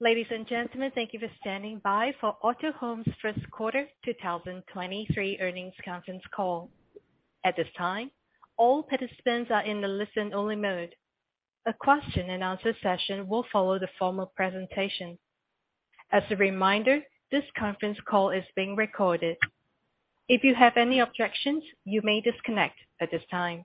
Ladies and gentlemen, thank you for standing by for Autohome's First Quarter 2023 Earnings Conference Call. At this time, all participants are in the listen only mode. A question and answer session will follow the formal presentation. As a reminder, this conference call is being recorded. If you have any objections, you may disconnect at this time.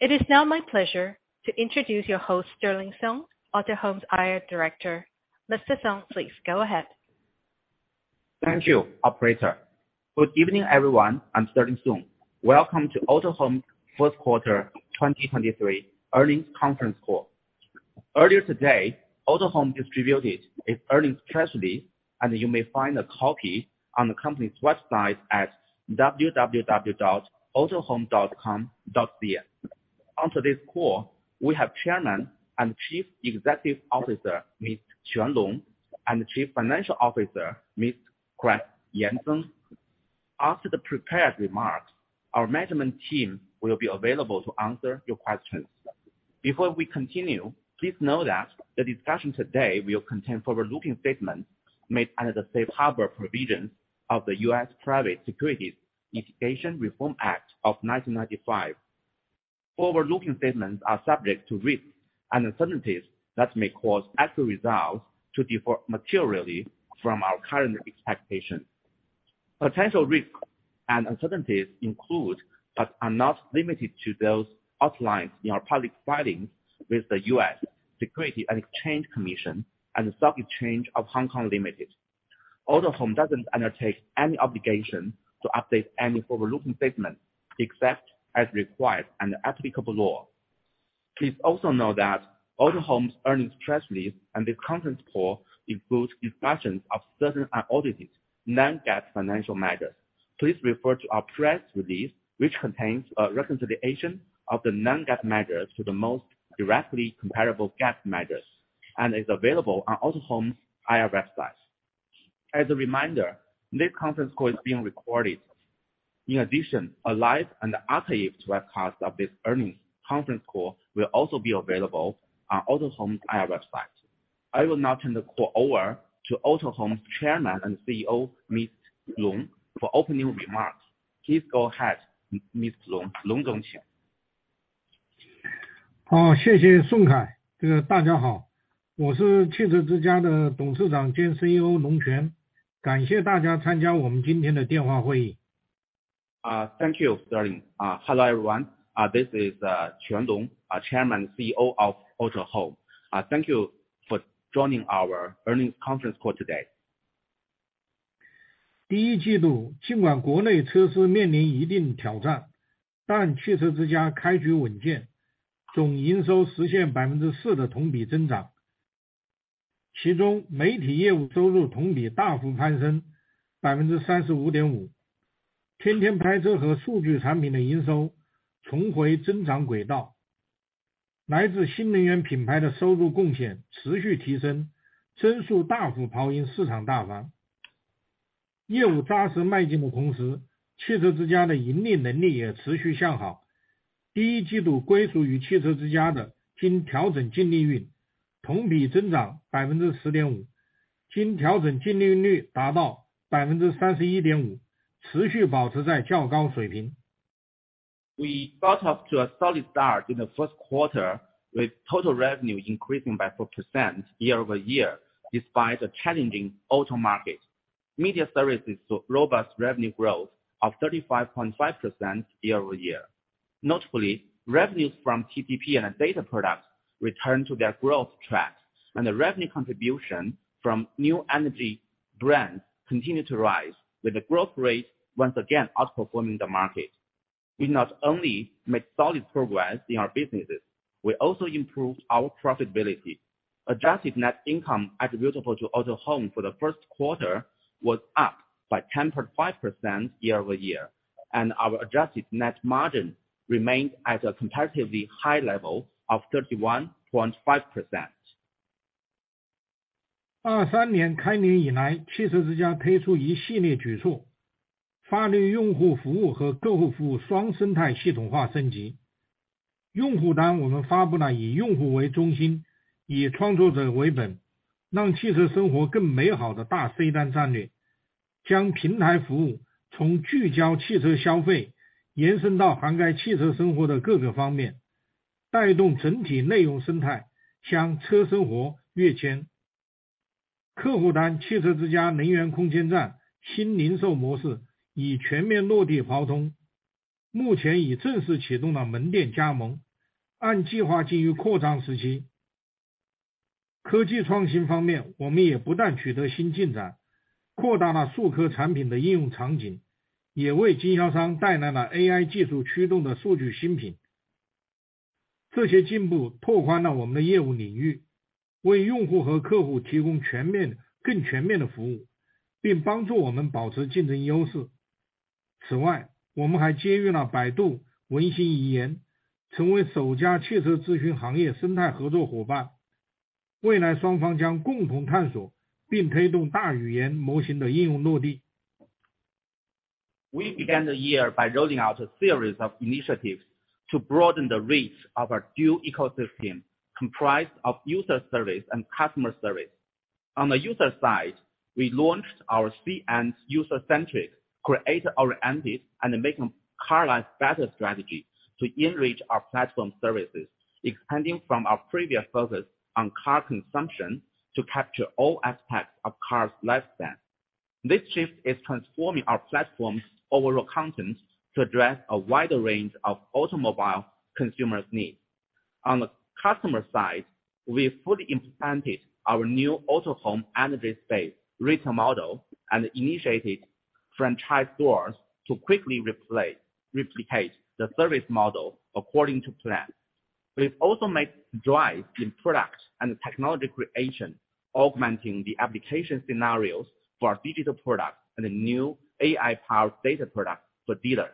It is now my pleasure to introduce your host, Sterling Song, Autohome's IR director. Mr. Song, please go ahead. Thank you operator. Good evening, everyone. I'm Sterling Song. Welcome to Autohome first quarter 2023 earnings conference call. Earlier today, Autohome distributed its earnings release and you may find a copy on the company's website at www.autohome.com.cn. On today's call, we have Chairman and Chief Executive Officer, Mr. Quan Long, and Chief Financial Officer, Mr. Craig Yan Zeng. After the prepared remarks, our management team will be available to answer your questions. Before we continue, please note that the discussion today will contain forward-looking statements made under the safe harbor provisions of the U.S. Private Securities Litigation Reform Act of 1995. Forward-looking statements are subject to risks and uncertainties that may cause actual results to differ materially from our current expectations. Potential risks and uncertainties include, but are not limited to, those outlined in our public filings with the U.S. Securities and Exchange Commission and The Stock Exchange of Hong Kong Limited. Autohome doesn't undertake any obligation to update any forward-looking statements except as required under applicable law. Please also know that Autohome's earnings press release and the conference call includes discussions of certain audited non-GAAP financial measures. Please refer to our press release, which contains a reconciliation of the non-GAAP measures to the most directly comparable GAAP measures and is available on Autohome's IR website. As a reminder, this conference call is being recorded. In addition, a live and the archive webcast of this earnings conference call will also be available on Autohome IR website. I will now turn the call over to Autohome's Chairman and CEO, Mr. Long, for opening remarks. Please go ahead, Mr. Long. Long Quan. 好， 谢谢宋凯。这个大家 好， 我是汽车之家的董事长兼 CEO 龙 泉， 感谢大家参加我们今天的电话会议。Thank you, Sterling. Hello, everyone. This is Quan Long, Chairman and CEO of Autohome. Thank you for joining our earnings conference call today. 第一季 度， 尽管国内车市面临一定挑 战， 但汽车之家开局稳 健， 总营收实现百分之四的同比增长。其中媒体业务收入同比大幅攀升百分之三十五点 五， 天天拍车和数据产品的营收重回增长轨 道， 来自新能源品牌的收入贡献持续提 升， 增速大幅跑赢市场大盘。业务扎实迈进的同 时， 汽车之家的盈利能力也持续向好。第一季度归属于汽车之家的经调整净利润同比增长百分之十点 五， 经调整净利润率达到百分之三十一点 五， 持续保持在较高水平。We got off to a solid start in the first quarter, with total revenue increasing by 4% year-over-year, despite a challenging auto market. Media services saw robust revenue growth of 35.5% year-over-year. Notably, revenues from TTP and data products returned to their growth track, and the revenue contribution from new energy brands continued to rise, with the growth rate once again outperforming the market. We not only made solid progress in our businesses, we also improved our profitability. Adjusted net income attributable to Autohome for the first quarter was up by 10.5% year-over-year, and our adjusted net margin remained at a comparatively high level of 31.5%. 二三年开年以 来， 汽车之家推出一系列举 措， 发力用户服务和客户服务双生态系统化升级。用户端我们发布了以用户为中 心， 以创作者为 本， 让汽车生活更美好的大 C 端战 略， 将平台服务从聚焦汽车消费延伸到涵盖汽车生活的各个方 面， 带动整体内容生态向车生活跃迁。客户端汽车之家能源空间站新零售模式已全面落地跑 通， 目前已正式启动了门店加 盟， 按计划进入扩张时期。科技创新方 面， 我们也不断取得新进 展， 扩大了数科产品的应用场 景， 也为经销商带来了 AI 技术驱动的数据新品。这些进步拓宽了我们的业务领 域， 为用户和客户提供全 面， 更全面的服 务， 并帮助我们保持竞争优势。此 外， 我们还接入了百度文心语 言， 成为首家汽车咨询行业生态合作伙伴。未来双方将共同探索并推动大语言模型的应用落地。We began the year by rolling out a series of initiatives to broaden the reach of our dual ecosystem comprised of user service and customer service. On the user side, we launched our C-end user-centric, creator-oriented and make car life better strategy to enrich our platform services, expanding from our previous focus on car consumption to capture all aspects of cars lifespan. This shift is transforming our platform's overall content to address a wider range of automobile consumers needs. On the customer side, we fully implemented our new Autohome Energy Space retail model and initiated franchise stores to quickly replicate the service model according to plan. We've also made strides in product and technology creation, augmenting the application scenarios for our digital products and new AI powered data products for dealers.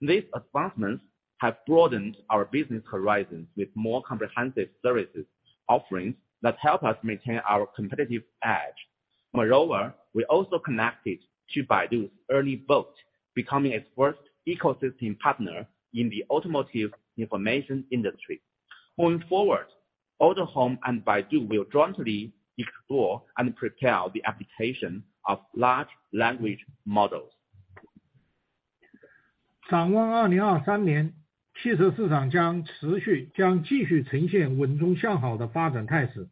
These advancements have broadened our business horizons with more comprehensive services offerings that help us maintain our competitive edge. We also connected to Baidu's ERNIE Bot, becoming its first ecosystem partner in the automotive information industry. Moving forward, Autohome and Baidu will jointly explore and propel the application of large language models. 展望2023 年, 汽车市场将持 续, 将继续呈现稳中向好的发展态 势,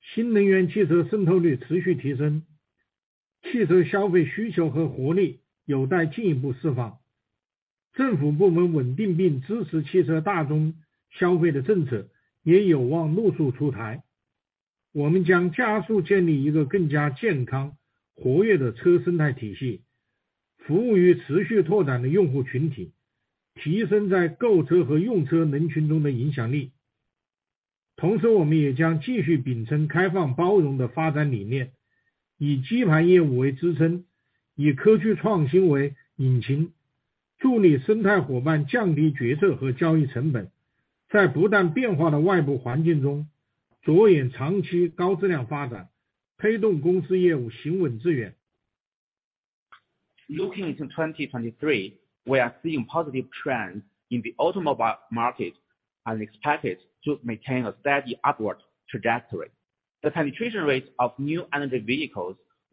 新能源汽车渗透率持续提 升, 汽车消费需求和活力有待进一步释 放. 政府部门稳定并支持汽车大宗消费的政策也有望陆续出 台. 我们将加速建立一个更加健康活跃的车生态体 系, 服务于持续拓展的用户群 体, 提升在购车和用车人群中的影响 力. 同 时, 我们也将继续秉承开放包容的发展理 念, 以基盘业务为支 撑, 以科技创新为引 擎, 助力生态伙伴降低决策和交易成 本, 在不断变化的外部环境 中, 着眼长期高质量发 展, 推动公司业务行稳致 远. Looking into 2023, we are seeing positive trends in the automobile market and expect it to maintain a steady upward trajectory. The penetration rates of new energy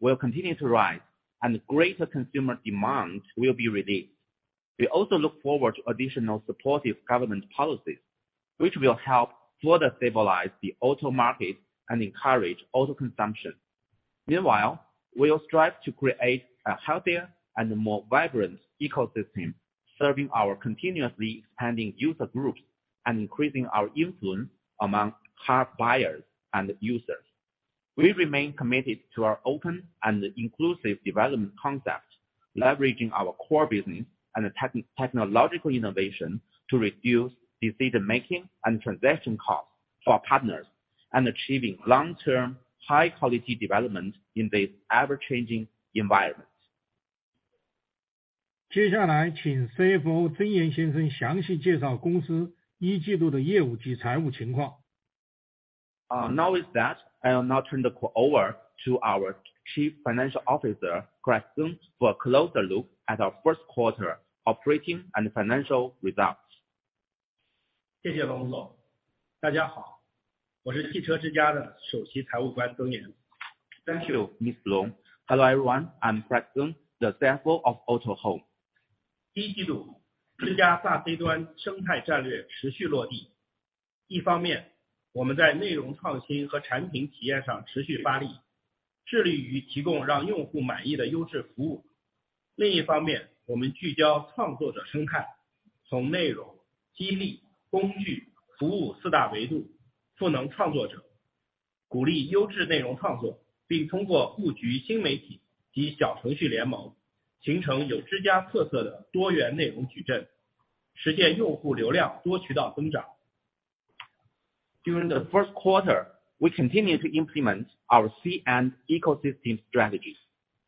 vehicles will continue to rise, and greater consumer demand will be released. We also look forward to additional supportive government policies, which will help further stabilize the auto market and encourage auto consumption. We will strive to create a healthier and more vibrant ecosystem, serving our continuously expanding user groups and increasing our influence among car buyers and users. We remain committed to our open and inclusive development concept, leveraging our core business and technological innovation to reduce decision-making and transaction costs for our partners and achieving long-term, high-quality development in this ever-changing environment. 接下来请 CFO 曾岩先生详细介绍公司一季度的业务及财务情 况. Now with that, I will now turn over to our Chief Financial Officer, Craig Yan Zeng, for a closer look at our first quarter operating and financial results. 谢谢龙总。大家 好， 我是 Autohome 的 Chief Financial Officer 曾岩。Thank you, Mr. Long. Hello everyone, I'm Craig Yan Zeng, the CFO of Autohome. 第一季 度， 之家大 C 端生态战略持续落 地. 一方面，我们在内容创新和产品体验上持续发 力， 致力于提供让用户满意的优质服 务. 另一方 面， 我们聚焦创作者生 态， 从内容、激励、工具、服务四大维 度， 赋能创作 者， 鼓励优质内容创 作， 并通过布局新媒体及小程序联 盟， 形成有之家特色的多元内容矩 阵， 实现用户流量多渠道增 长. During the first quarter, we continue to implement our C-end ecosystem strategies.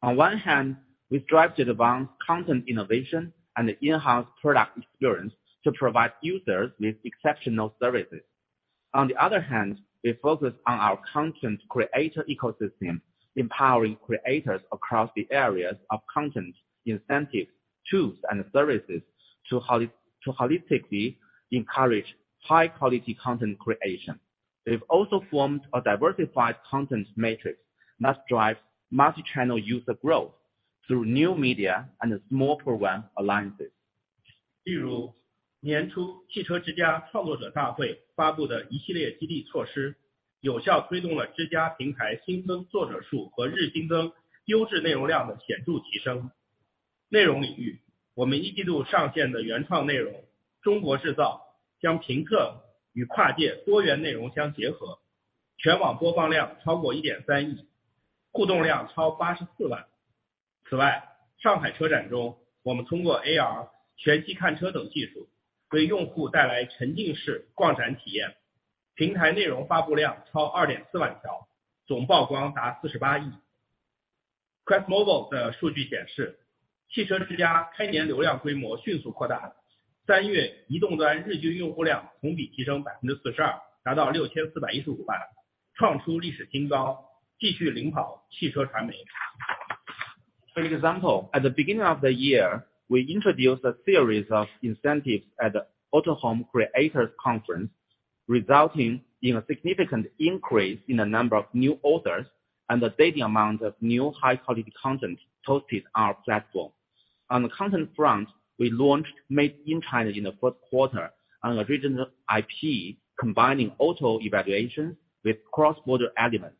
On one hand, we strive to advance content innovation and enhance product experience to provide users with exceptional services. On the other hand, we focus on our content creator ecosystem, empowering creators across the areas of content, incentives, tools, and services to holistically encourage high quality content creation. We've also formed a diversified content matrix that drives multi-channel user growth through new media and small program alliances. 例 如， 年初汽车之家创作者大会发布的一系列激励措 施， 有效推动了之家平台新增作者数和日新增优质内容量的显著提升。内容领 域， 我们一季度上线的原创内容《中国制造》将评测与跨界多元内容相结 合， 全网播放量超过130 million， 互动量超 840,000。此 外， 上海车展 中， 我们通过 AR 全息看车等技 术， 为用户带来沉浸式逛展体 验， 平台内容发布量超 24,000 条， 总曝光达 4.8 billion。QuestMobile 的数据显 示， 汽车之家开年流量规模迅速扩 大， 三月移动端日均用户量同比提升 42%， 达到 64.15 million， 创出历史新 高， 继续领跑汽车传媒。For example, at the beginning of the year, we introduced a series of incentives at the Autohome Creators Conference, resulting in a significant increase in the number of new authors and the daily amount of new high quality content posted on our platform. On the content front, we launched Made in China in the first quarter, an original IP combining auto evaluation with cross-border elements.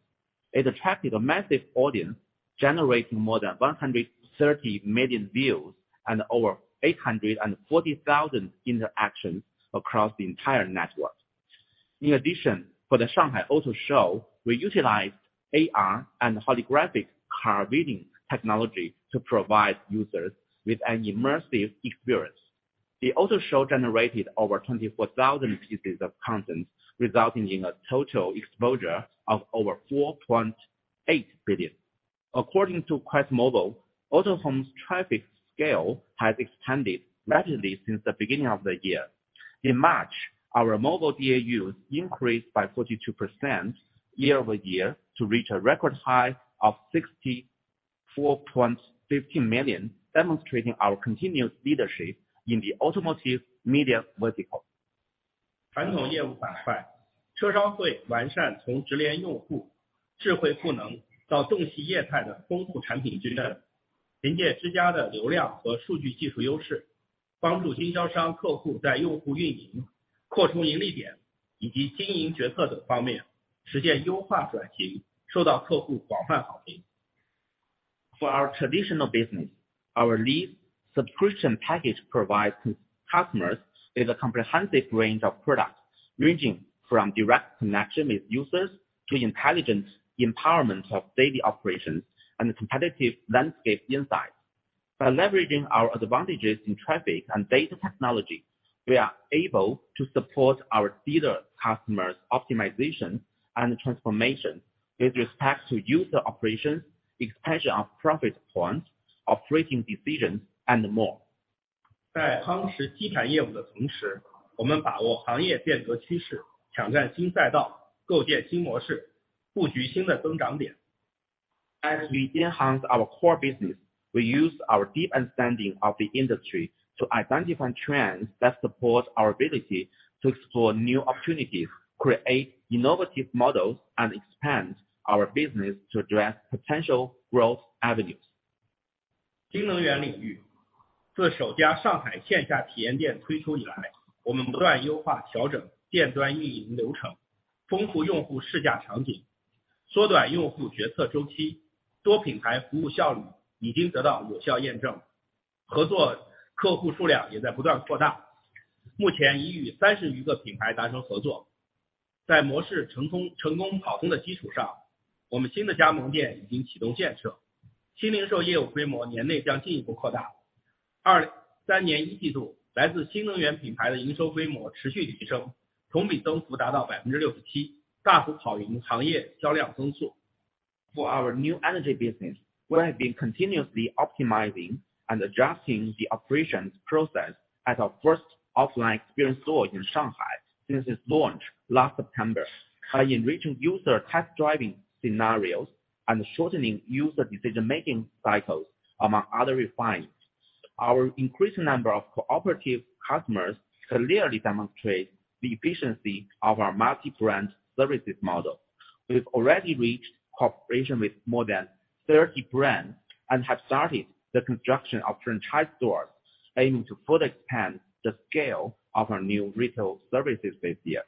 It attracted a massive audience, generating more than 130 million views and over 840,000 interactions across the entire network. In addition, for the Shanghai Auto Show, we utilized AR and holographic car viewing technology to provide users with an immersive experience. The Auto Show generated over 24,000 pieces of content, resulting in a total exposure of over 4.8 billion. According to QuestMobile, Autohome's traffic scale has expanded rapidly since the beginning of the year. In March, our mobile DAU increased by 42% year-over-year to reach a record high of 64.15 million, demonstrating our continuous leadership in the automotive media vertical. 传统业务板 块， 车商会完善从直连用户、智慧赋能到重细业态的丰富产品矩 阵， 凭借之家的流量和数据技术优 势， 帮助经销商客户在用户运营、扩充盈利点以及经营决策等方面实现优化转 型， 受到客户广泛好评。For our traditional business, our lead subscription package provides customers with a comprehensive range of products ranging from direct connection with users to intelligence, empowerment of daily operations, and competitive landscape insights. By leveraging our advantages in traffic and data technology, we are able to support our dealer customers optimization and transformation with respect to user operations, expansion of profit points, operating decisions, and more. 在夯实基盘业务的同 时， 我们把握行业变革趋 势， 抢占新赛 道， 构建新模 式， 布局新的增长点。As we enhance our core business, we use our deep understanding of the industry to identify trends that support our ability to explore new opportunities, create innovative models, and expand our business to address potential growth avenues. 新能源领 域. 自首家上海线下体验店推出以 来, 我们不断优化调整店端运营流 程, 丰富用户试驾场 景, 缩短用户决策周 期. 多品牌服务效率已经得到有效验 证, 合作客户数量也在不断扩 大. 目前已与30余个品牌达成合 作. 在模式成 功, 成功跑通的基础 上, 我们新的加盟店已经启动建 设, 新零售业务规模年内将进一步扩 大. 2023 Q1, 来自新能源品牌的营收规模持续提 升, 同比增幅达到 67%, 大幅跑赢行业销量增 速. For our new energy business, we have been continuously optimizing and adjusting the operations process at our first offline experience store in Shanghai since its launch last September. By enriching user test driving scenarios and shortening user decision making cycles among other refines, our increasing number of cooperative customers clearly demonstrate the efficiency of our multi-brand services model. We have already reached cooperation with more than 30 brands and have started the construction of franchise stores, aiming to further expand the scale of our new retail services this year.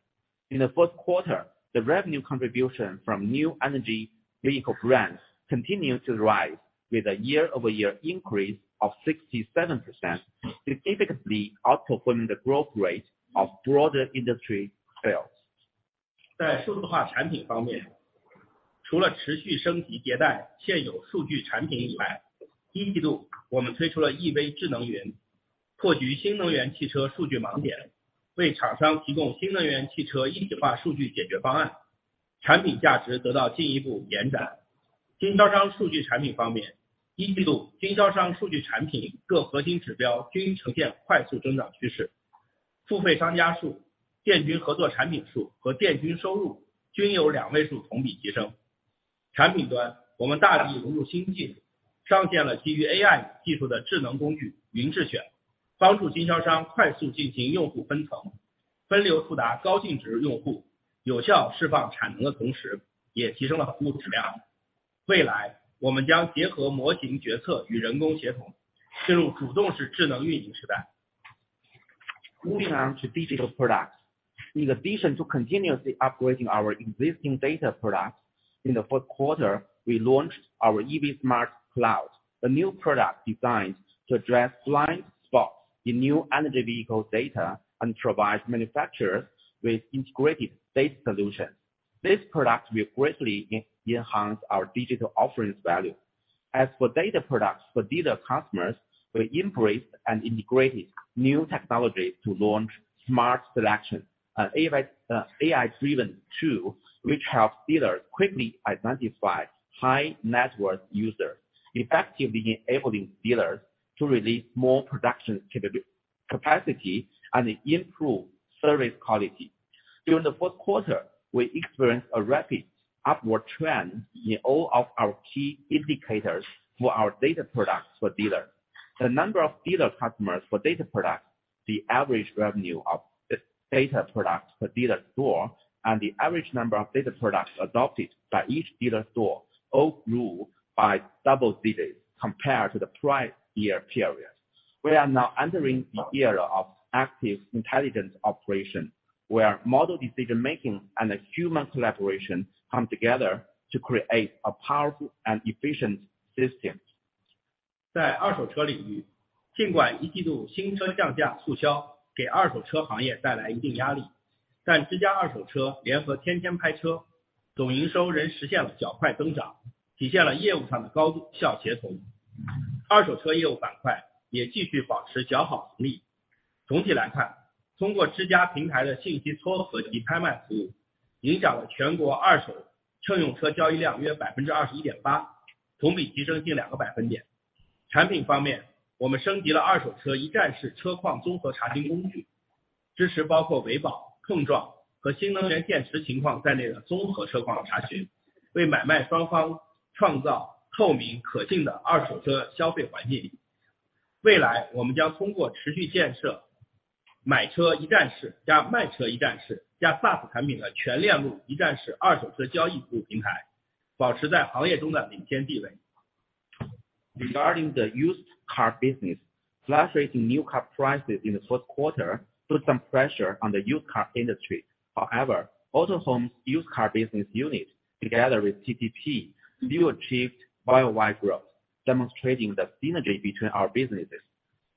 In the first quarter, the revenue contribution from new energy vehicle brands continued to rise with a year-over-year increase of 67%, significantly outperforming the growth rate of broader industry sales. 在数字化产品方 面， 除了持续升级迭代现有数据产品以 外， 一季度我们推出了 EV 智能 云， 破局新能源汽车数据盲 点， 为厂商提供新能源汽车一体化解决方 案， 产品价值得到进一步延展。经销商数据产品方 面， 一季度经销商数据产品各核心指标均呈现快速增长趋势。付费商家数、店均合作产品数和店均收入均有两位数同比提升。产品 端， 我们大力融入新 技， 上线了基于 AI 技术的智能工具明智 选， 帮助经销商快速进行用户分 层， 分流出达高净值用户，有效释放产能的同 时， 也提升了服务质量。未来我们将结合模型决策与人工协 同， 进入主动式智能运营时代。Moving on to digital products. In addition to continuously upgrading our existing data products, in the first quarter, we launched our EV Smart Cloud, a new product designed to address blind spots in new energy vehicle data and provide manufacturers with integrated data solutions. This product will greatly enhance our digital offerings value. As for data products for dealer customers, we embraced and integrated new technologies to launch Smart Selection, an AI-driven tool which helps dealers quickly identify high net worth users, effectively enabling dealers to release more production capability capacity and improve service quality. During the fourth quarter, we experienced a rapid upward trend in all of our key indicators for our data products for dealers. The number of dealer customers for data products, the average revenue of data products per dealer store, and the average number of data products adopted by each dealer store all grew by double digits compared to the prior year period. We are now entering the era of active intelligence operation, where model decision making and human collaboration come together to create a powerful and efficient system. 在二手车领 域， 尽管一季度新车降价促销给二手车行业带来一定压 力， 但之家二手车联合天天拍 车， 总营收仍实现了较快增 长， 体现了业务上的高度效协同。二手车业务板块也继续保持较好盈利。总体来看，通过之家平台的信息撮合及拍卖服 务， 影响了全国二手乘用车交易量约百分之二十一点 八， 同比提升近两个百分点。产品方 面， 我们升级了二手车一站式车况综合查询工 具， 支持包括维保、碰撞和新能源电池情况在内的综合车况查 询， 为买卖双方创造透明可信的二手车消费环境。未来我们将通过持续建设买车一站式加卖车一站式加 SaaS 产品的全链路一站式二手车交易服务平 台， 保持在行业中的领先地位。Regarding the used car business, fluctuating new car prices in the first quarter put some pressure on the used car industry. Autohome's used car business unit, together with TTP, still achieved year-on-year growth, demonstrating the synergy between our businesses.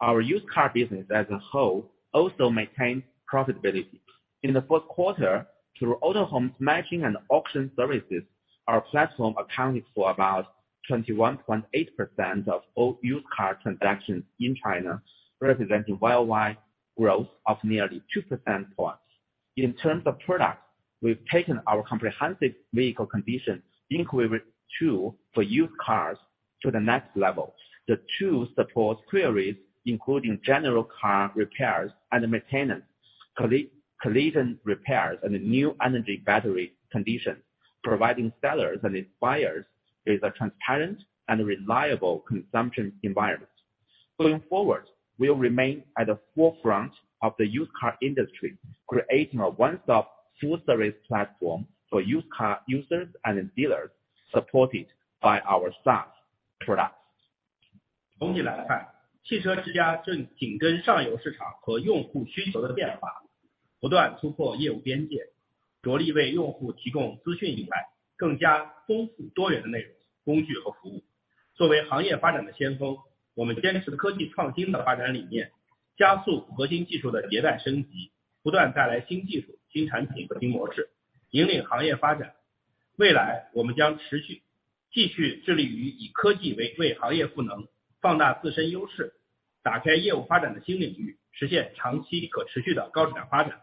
Our used car business as a whole also maintained profitability. In the fourth quarter, through Autohome's matching and auction services, our platform accounted for about 21.8% of all used car transactions in China, representing year-on-year growth of nearly 2% for us. In terms of products, we've taken our comprehensive vehicle condition inquiry tool for used cars to the next level. The tool supports queries including general car repairs and maintenance, collision repairs, and new energy battery condition, providing sellers and buyers with a transparent and reliable consumption environment. Going forward, we will remain at the forefront of the used car industry, creating a one-stop, full-service platform for used car users and dealers supported by our SaaS products. 总体来 看， 汽车之家正紧跟上游市场和用户需求的变 化， 不断突破业务边 界， 着力为用户提供资讯以外更加丰富多元的内容、工具和服务。作为行业发展的先 锋， 我们坚持科技创新的发展理 念， 加速核心技术的迭代升 级， 不断带来新技术、新产品和新模 式， 引领行业发展。未 来， 我们将持续致力于以科技为行业赋 能， 放大自身优势，打开业务发展的新领 域， 实现长期可持续的高质量发展。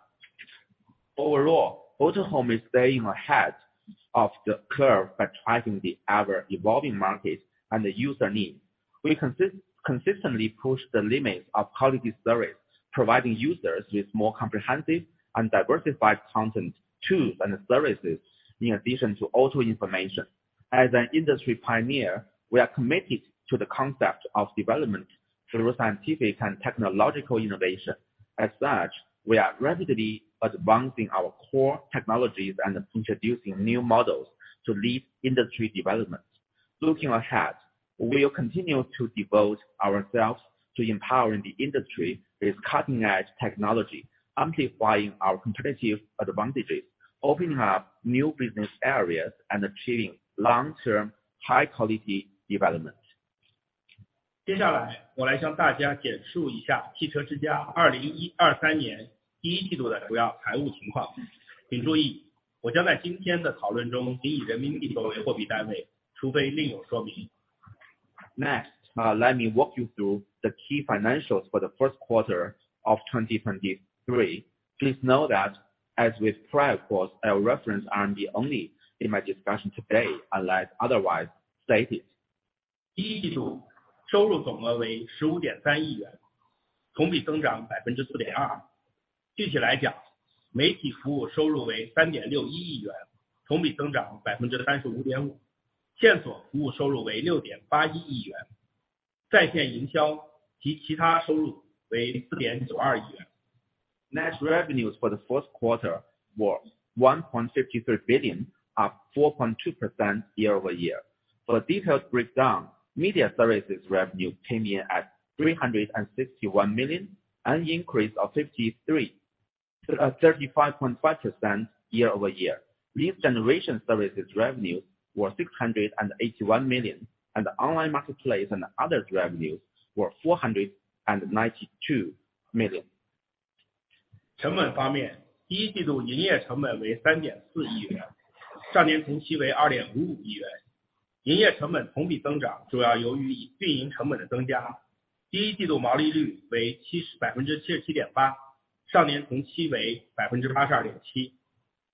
Overall, Autohome is staying ahead of the curve by tracking the ever-evolving market and the user needs. We consistently push the limits of quality service, providing users with more comprehensive and diversified content, tools, and services in addition to auto information. As an industry pioneer, we are committed to the concept of development through scientific and technological innovation. As such, we are rapidly advancing our core technologies and introducing new models to lead industry development. Looking ahead, we will continue to devote ourselves to empowering the industry with cutting-edge technology, amplifying our competitive advantages, opening up new business areas, and achieving long-term, high-quality development. 接下 来， 我来向大家简述一下汽车之家二零一二三年第一季度的主要财务情况。请注 意， 我将在今天的讨论中仅以人民币作为货币单 位， 除非另有说明。Let me walk you through the key financials for the first quarter of 2023. Please note that as with prior quarters, I will reference RMB only in my discussion today unless otherwise stated. 第一季度收入总额为十五点三亿 元， 同比增长百分之四点二。具体来 讲， 媒体服务收入为三点六一亿 元， 同比增长百分之三十五点五。线索服务收入为六点八一亿元。在线营销及其他收入为四点九二亿元。Net revenues for the first quarter was 1.53 billion, up 4.2% year-over-year. For the detailed breakdown, media services revenue came in at 361 million, an increase of 35.5% year-over-year. Lead generation services revenues were 681 million, and online marketplace and other revenues were 492 million. 成本方 面， 第一季度营业成本为三点四亿 元， 上年同期为二点五五亿元。营业成本同比增 长， 主要由于运营成本的增加。第一季度毛利率为七十--百分之七十七点 八， 上年同期为百分之八十二点七。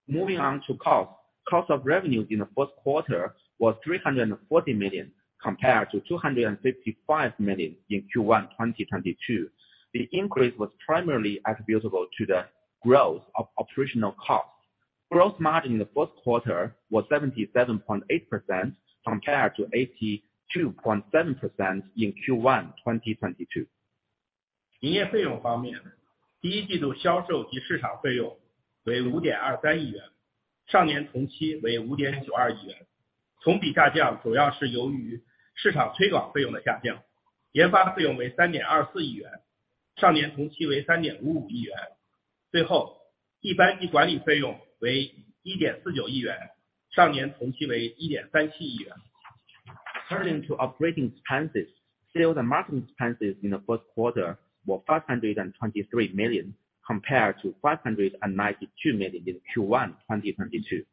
Moving on to cost. Cost of revenue in the first quarter was $340 million compared to $255 million in Q1 2022. The increase was primarily attributable to the growth of operational costs. Gross margin in the first quarter was 77.8% compared to 82.7% in Q1 2022. 营业费用方 面， 第一季度销售及市场费用为 CNY 523 million， 上年同期为 CNY 592 million， 同比下降主要是由于市场推广费用的下降。研发费用为 CNY 324 million， 上年同期为 CNY 355 million。最 后， 一般及管理费用为 CNY 149 million， 上年同期为 CNY 137 million。Turning to operating expenses. Sales and marketing expenses in the first quarter were 523 million compared to 592 million in Q1 2022.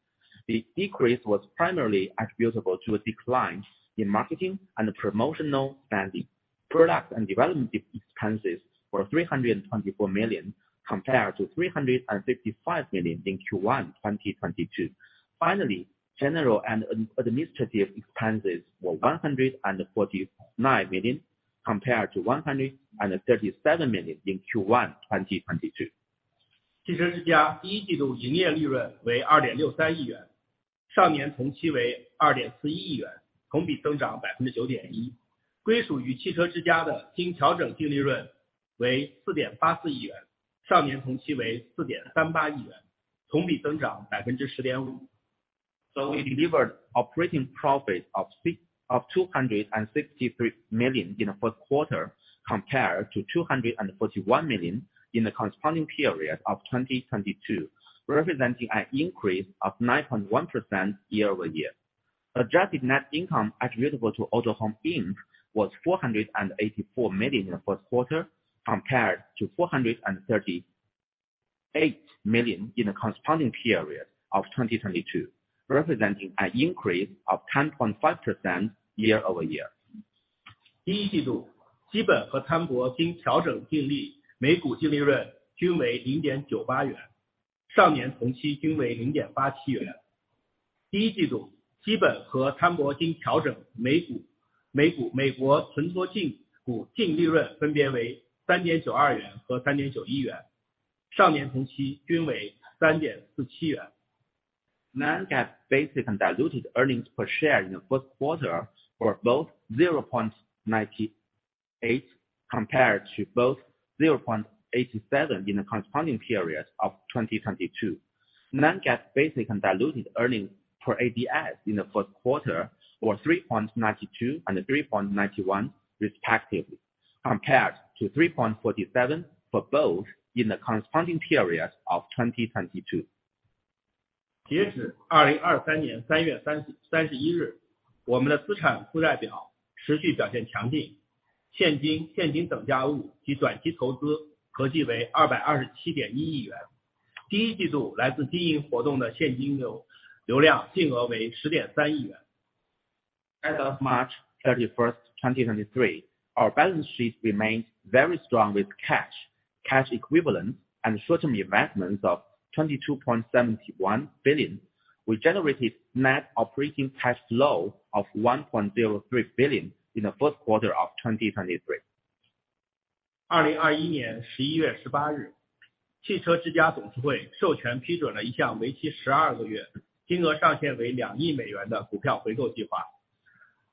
The decrease was primarily attributable to a decline in marketing and promotional spending. Product and development expenses were 324 million compared to 355 million in Q1 2022. General and administrative expenses were 149 million compared to 137 million in Q1 2022. 汽车之家第一季度营业利润为二点六三亿 元， 上年同期为二点四一亿 元， 同比增长百分之九点一。归属于汽车之家的经调整净利润为四点八四亿 元， 上年同期为四点三八亿 元， 同比增长百分之十点五。We delivered operating profit of 263 million in the first quarter compared to 241 million in the corresponding period of 2022, representing an increase of 9.1% year-over-year. Adjusted net income attributable to Autohome Inc. was 484 million in the first quarter compared to 438 million in the corresponding period of 2022, representing an increase of 10.5% year-over-year. 第一季 度， 基本和摊薄经调整净利每股净利润均为零点九八 元， 上年同期均为零点八七元。第一季度基本和摊薄经调整每 股， 每股美国存托股净利润分别为三点九二元和三点九一 元， 上年同期均为三点四七元。Non-GAAP basic and diluted earnings per share in the first quarter were both $0.98 compared to both $0.87 in the corresponding period of 2022. Non-GAAP basic and diluted earnings per ADS in the first quarter were $3.92 and $3.91 respectively, compared to $3.47 for both in the corresponding period of 2022. 截止2023年3月三 十， 三十一 日， 我们的资产负债表持续表现强 劲， 现 金， 现金等价物及短期投资合计为二百二十七点一亿元。第一季度来自经营活动的现金 流， 流量净额为十点三亿元。As of March 31st, 2023, our balance sheet remained very strong with cash equivalents and certain investments of 22.71 billion. We generated net operating cash flow of 1.03 billion in the first quarter of 2023. 2021年11月18 日， 汽车之家董事会授权批准了一项为期十二个 月， 金额上限为两亿美元的股票回购计划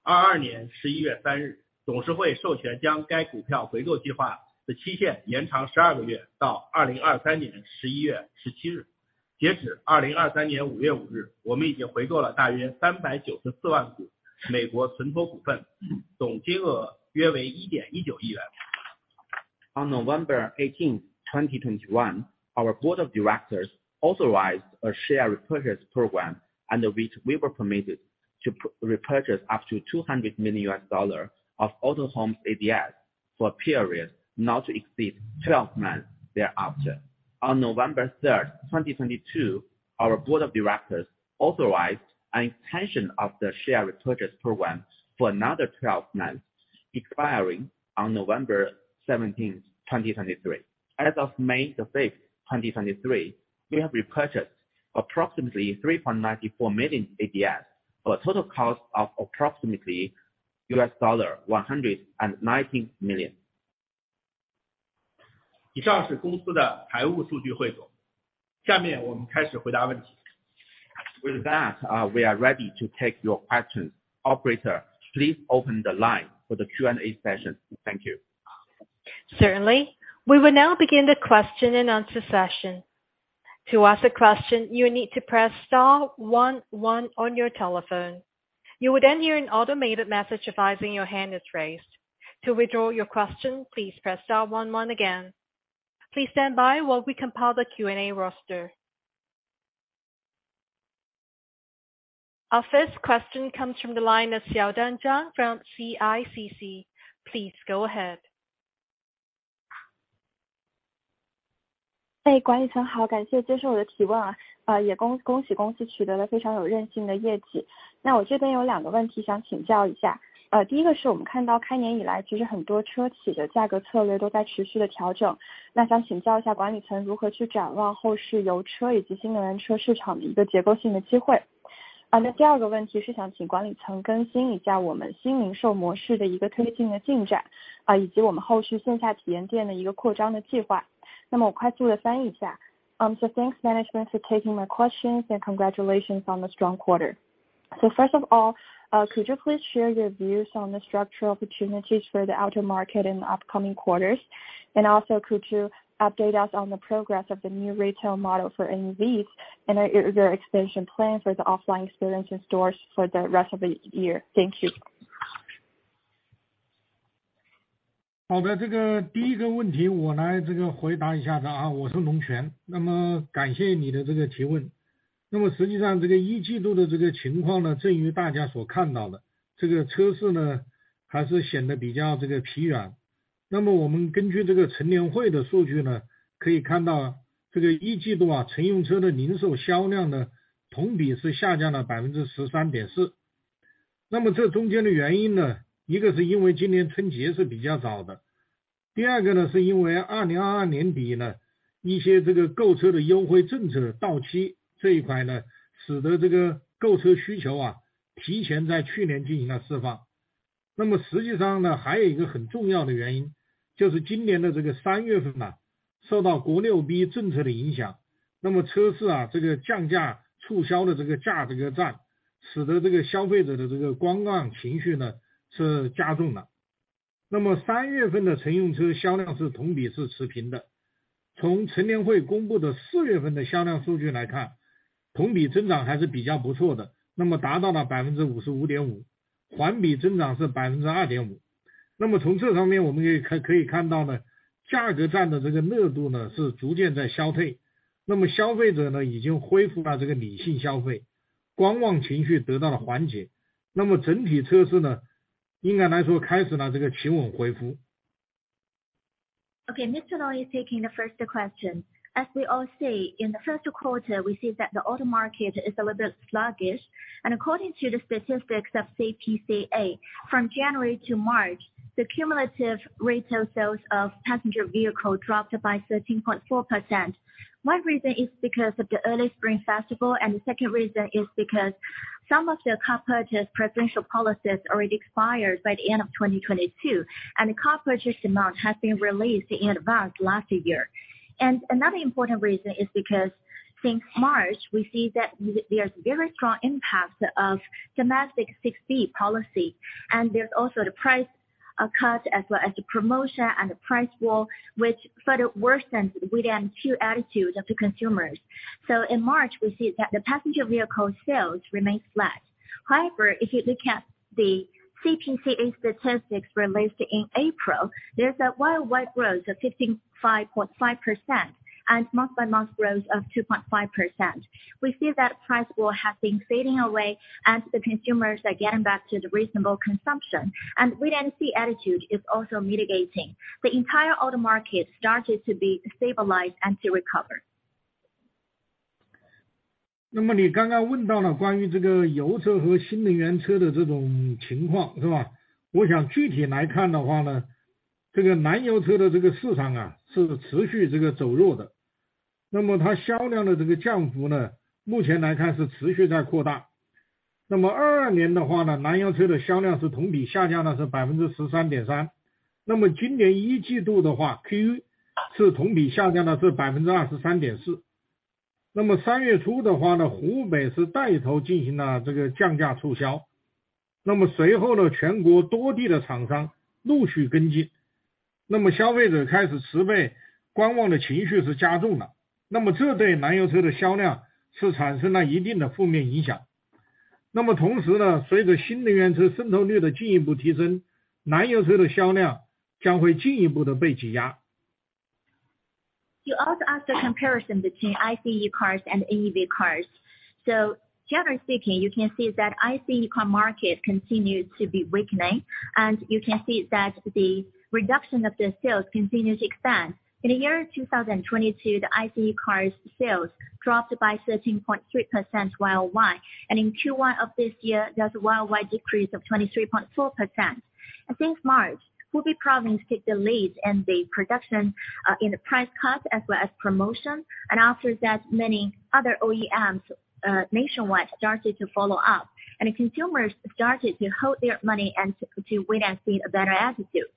。22 年11月3 日， 董事会授权将该股票回购计划的期限延长十二个 月， 到2023年11月17 日。截止2023年5月5 日， 我们已经回购了大约三百九十四万股美国存托股 份， 总金额约为一点一九亿元。On November 18th, 2021, our board of directors authorized a share repurchase program under which we were permitted to repurchase up to $200 million of Autohome ADS for a period not to exceed 12 months thereafter. On November 3rd, 2022, our board of directors authorized an extension of the share repurchase program for another 12 months, expiring on November 17, 2023. As of May 5th, 2023, we have repurchased approximately 3.94 million ADS for a total cost of approximately $119 million. 以上是公司的财务数据汇总。下面我们开始回答问题。With that, we are ready to take your questions. Operator, please open the line for the Q&A session. Thank you. Certainly. We will now begin the question and answer session. To ask a question, you need to press star one one on your telephone. You will then hear an automated message advising your hand is raised. To withdraw your question, please press star one one again. Please stand by while we compile the Q&A roster. Our first question comes from the line of Xiaodan Zhang from CICC. Please go ahead. 哎， 管理层 好， 感谢接受我的提问 啊， 呃， 也 恭， 恭喜公司取得了非常有韧性的业绩。那我这边有两个问题想请教一 下， 呃， 第一个是我们看到开年以 来， 其实很多车企的价格策略都在持续地调 整， 那想请教一下管理层如何去展望后市油车以及新能源车市场的一个结构性的机会第二个问题是想请管理层更新一下我们新零售模式的一个推进的进 展， 以及我们后续线下体验店的一个扩张的计划。我快速地翻译一下。Thanks management for taking my questions and congratulations on the strong quarter. First of all, could you please share your views on the structural opportunities for the auto market in the upcoming quarters? Also could you update us on the progress of the new retail model for NEVs and your expansion plans for the offline experiences stores for the rest of the year. Thank you. 好 的， 这个第一个问题我来这个回答一下子 啊， 我是龙泉。那么感谢你的这个提问。那么实际上这个一季度的这个情况 呢， 正如大家所看到 的， 这个车市 呢， 还是显得比较这个疲软。那么我们根据这个陈年会的数据 呢， 可以看到这个一季度 啊， 乘用车的零售销量 呢， 同比是下降了百分之十三点四。那么这中间的原因 呢， 一个是因为今年春节是比较早 的， 第二个 呢， 是因为2022年底呢一些这个购车的优惠政策到期，这一块 呢， 使得这个购车需求啊提前在去年进行了释放。那么实际上 呢， 还有一个很重要的原 因， 就是今年的这个三月份 呢， 受到国内 6B 政策的影 响， 那么车市啊这个降价促销的这个价这个 战， 使得这个消费者的这个观望情绪呢是加重了。那么三月份的乘用车销量是同比是持平的。从陈年会公布的四月份的销量数据来看，同比增长还是比较不错 的， 那么达到了百分之五十五点 五， 环比增长是百分之二点五。那么从这方面我们可 以， 可 以， 可以看到 呢， 价格战的这个热度呢是逐渐在消 退， 那么消费者呢已经恢复了这个理性消 费， 观望情绪得到了缓解。那么整体车市 呢， 应该来说开始呢这个企稳回升。Okay. Mr. Long is taking the first question. We all see, in the first quarter, we see that the auto market is a little bit sluggish. According to the statistics of CPCA, from January to March, the cumulative retail sales of passenger vehicle dropped by 13.4%. One reason is because of the early Spring Festival. The second reason is because some of the car purchase preferential policies already expired by the end of 2022. The car purchase demand has been released in advance last year. Another important reason is because since March, we see that there's very strong impact of domestic 6B policy. There's also the price cut as well as the promotion and the price war, which further worsens wait-and-see attitude of the consumers. In March, we see that the passenger vehicle sales remained flat. However, if you look at the CPCA statistics released in April, there's a year-over-year growth of 15 5.5% and month-over-month growth of 2.5%. We see that price war has been fading away as the consumers are getting back to the reasonable consumption. Wait-and-see attitude is also mitigating. The entire auto market started to be stabilized and to recover. 你刚刚问到了关于这个油车和新能源车的这种情 况， 是 吧？ 我想具体来看的话 呢， 这个燃油车的这个市场啊，是持续这个走弱 的， 它销量的这个降幅 呢， 目前来看是持续在扩大。2022年的话 呢， 燃油车的销量是同比下降了是 13.3%， 今年一季度的话 ，Q 是同比下降了是 23.4%。三月初的话 呢， 湖北是带头进行了这个降价促 销， 随后呢全国多地的厂商陆续跟进，消费者开始持 备， 观望的情绪是加重 了， 这对燃油车的销量是产生了一定的负面影响。同时 呢， 随着新能源车渗透率的进一步提 升， 燃油车的销量将会进一步地被挤压。You also asked the comparison between ICE cars and NEV cars. Generally speaking, you can see that ICE car market continues to be weakening. You can see that the reduction of the sales continues to expand. In the year 2022, the ICE cars sales dropped by 13.3% YOY. In Q1 of this year, there's a YOY decrease of 23.4%. Since March, Hubei province take the lead and the production in the price cut as well as promotion. After that, many other OEMs nationwide started to follow up. The consumers started to hold their money and to wait and see a better attitude.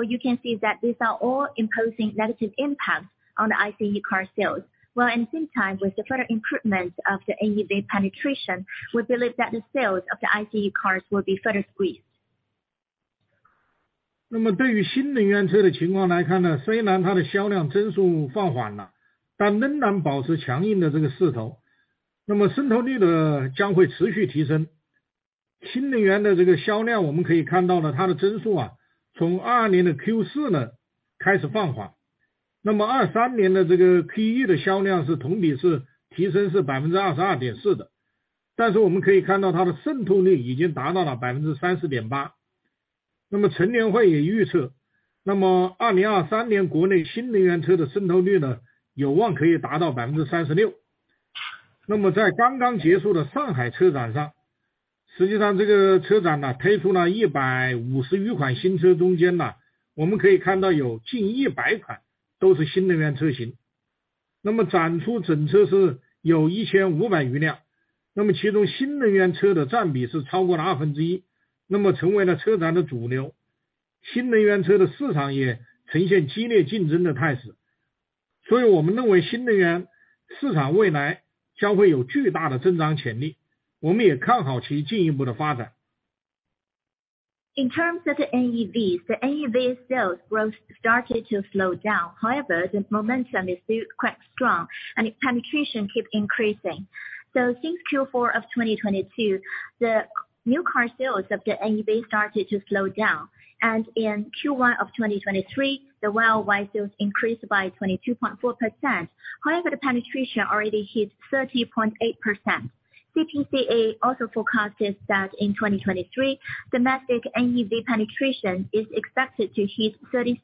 You can see that these are all imposing negative impacts on the ICE car sales. Well, at the same time, with the further improvement of the NEV penetration, we believe that the sales of the ICE cars will be further squeezed. 对于新能源车的情况来看 呢， 虽然它的销量增速放缓 了， 但仍然保持强硬的这个势 头， 渗透率呢将会持续提升。新能源的这个销 量， 我们可以看到 呢， 它的增 速， 从2022年的 Q4 呢开始放缓。2023年的这个 Q1 的销量是同比是提升是 22.4% 的。我们可以看到它的渗透率已经达到了 30.8%。乘联会也预 测， 那么2023年国内新能源车的渗透率 呢， 有望可以达到 36%。在刚刚结束的上海车展上，实际上这个车展 呢， 推出了150余款新 车， 中间 呢， 我们可以看到有近100款都是新能源车型。展出整车是有 1,500 余 辆， 那么其中新能源车的占比是超过了 1/2， 那么成为了车展的主流。新能源车的市场也呈现激烈竞争的态势。我们认为新能源市场未来将会有巨大的增长潜力，我们也看好其进一步的发展。In terms of NEVs, the NEV sales growth started to slow down. The momentum is still quite strong and its penetration keep increasing. Since Q4 of 2022, the new car sales of the NEV started to slow down. In Q1 of 2023, the worldwide sales increased by 22.4%. The penetration already hit 30.8%. CPCA also forecast that in 2023, domestic NEV penetration is expected to hit 36%.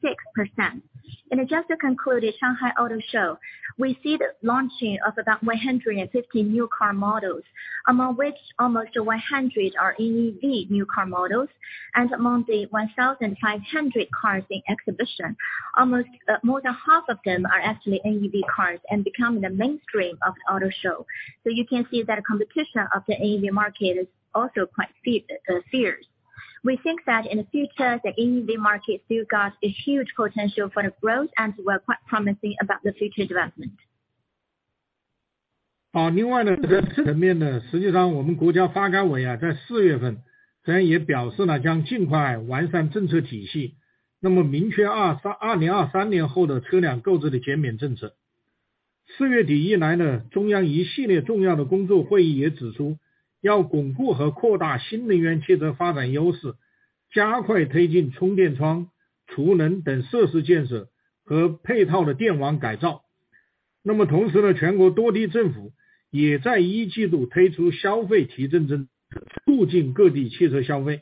In a just concluded Shanghai Auto Show, we see the launching of about 150 new car models, among which almost 100 are NEV new car models. Among the 1,500 cars in exhibition, almost more than half of them are actually NEV cars and becoming the mainstream of the auto show. You can see that the competition of the NEV market is also quite fierce. We think that in the future, the NEV market still got a huge potential for the growth and we're quite promising about the future development. 在层 面， 实际上我们 NDRC 在 April 也表 示， 将尽快完善政策体 系， 明确2023年后的车辆购置的减免政策。late April 以 来， 中央一系列重要的工作会议也指 出， 要巩固和扩大新能源汽车发展优 势， 加快推进充电桩、储能等设施建设和配套的电网改造。同 时， 全国多地政府也在 Q1 推出消费提振政 策， 促进各地汽车消费。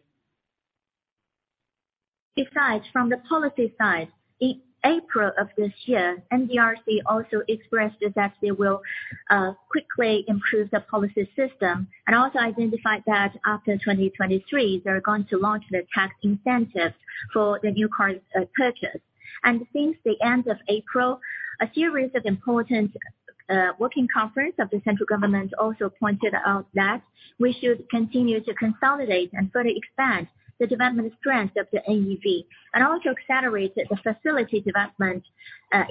Besides, from the policy side, in April of this year, NDRC also expressed that they will quickly improve the policy system and also identified that after 2023, they are going to launch the tax incentives for the new cars purchase. Since the end of April, a series of important working conference of the central government also pointed out that we should continue to consolidate and further expand the development strength of the NEV and also accelerate the facility development,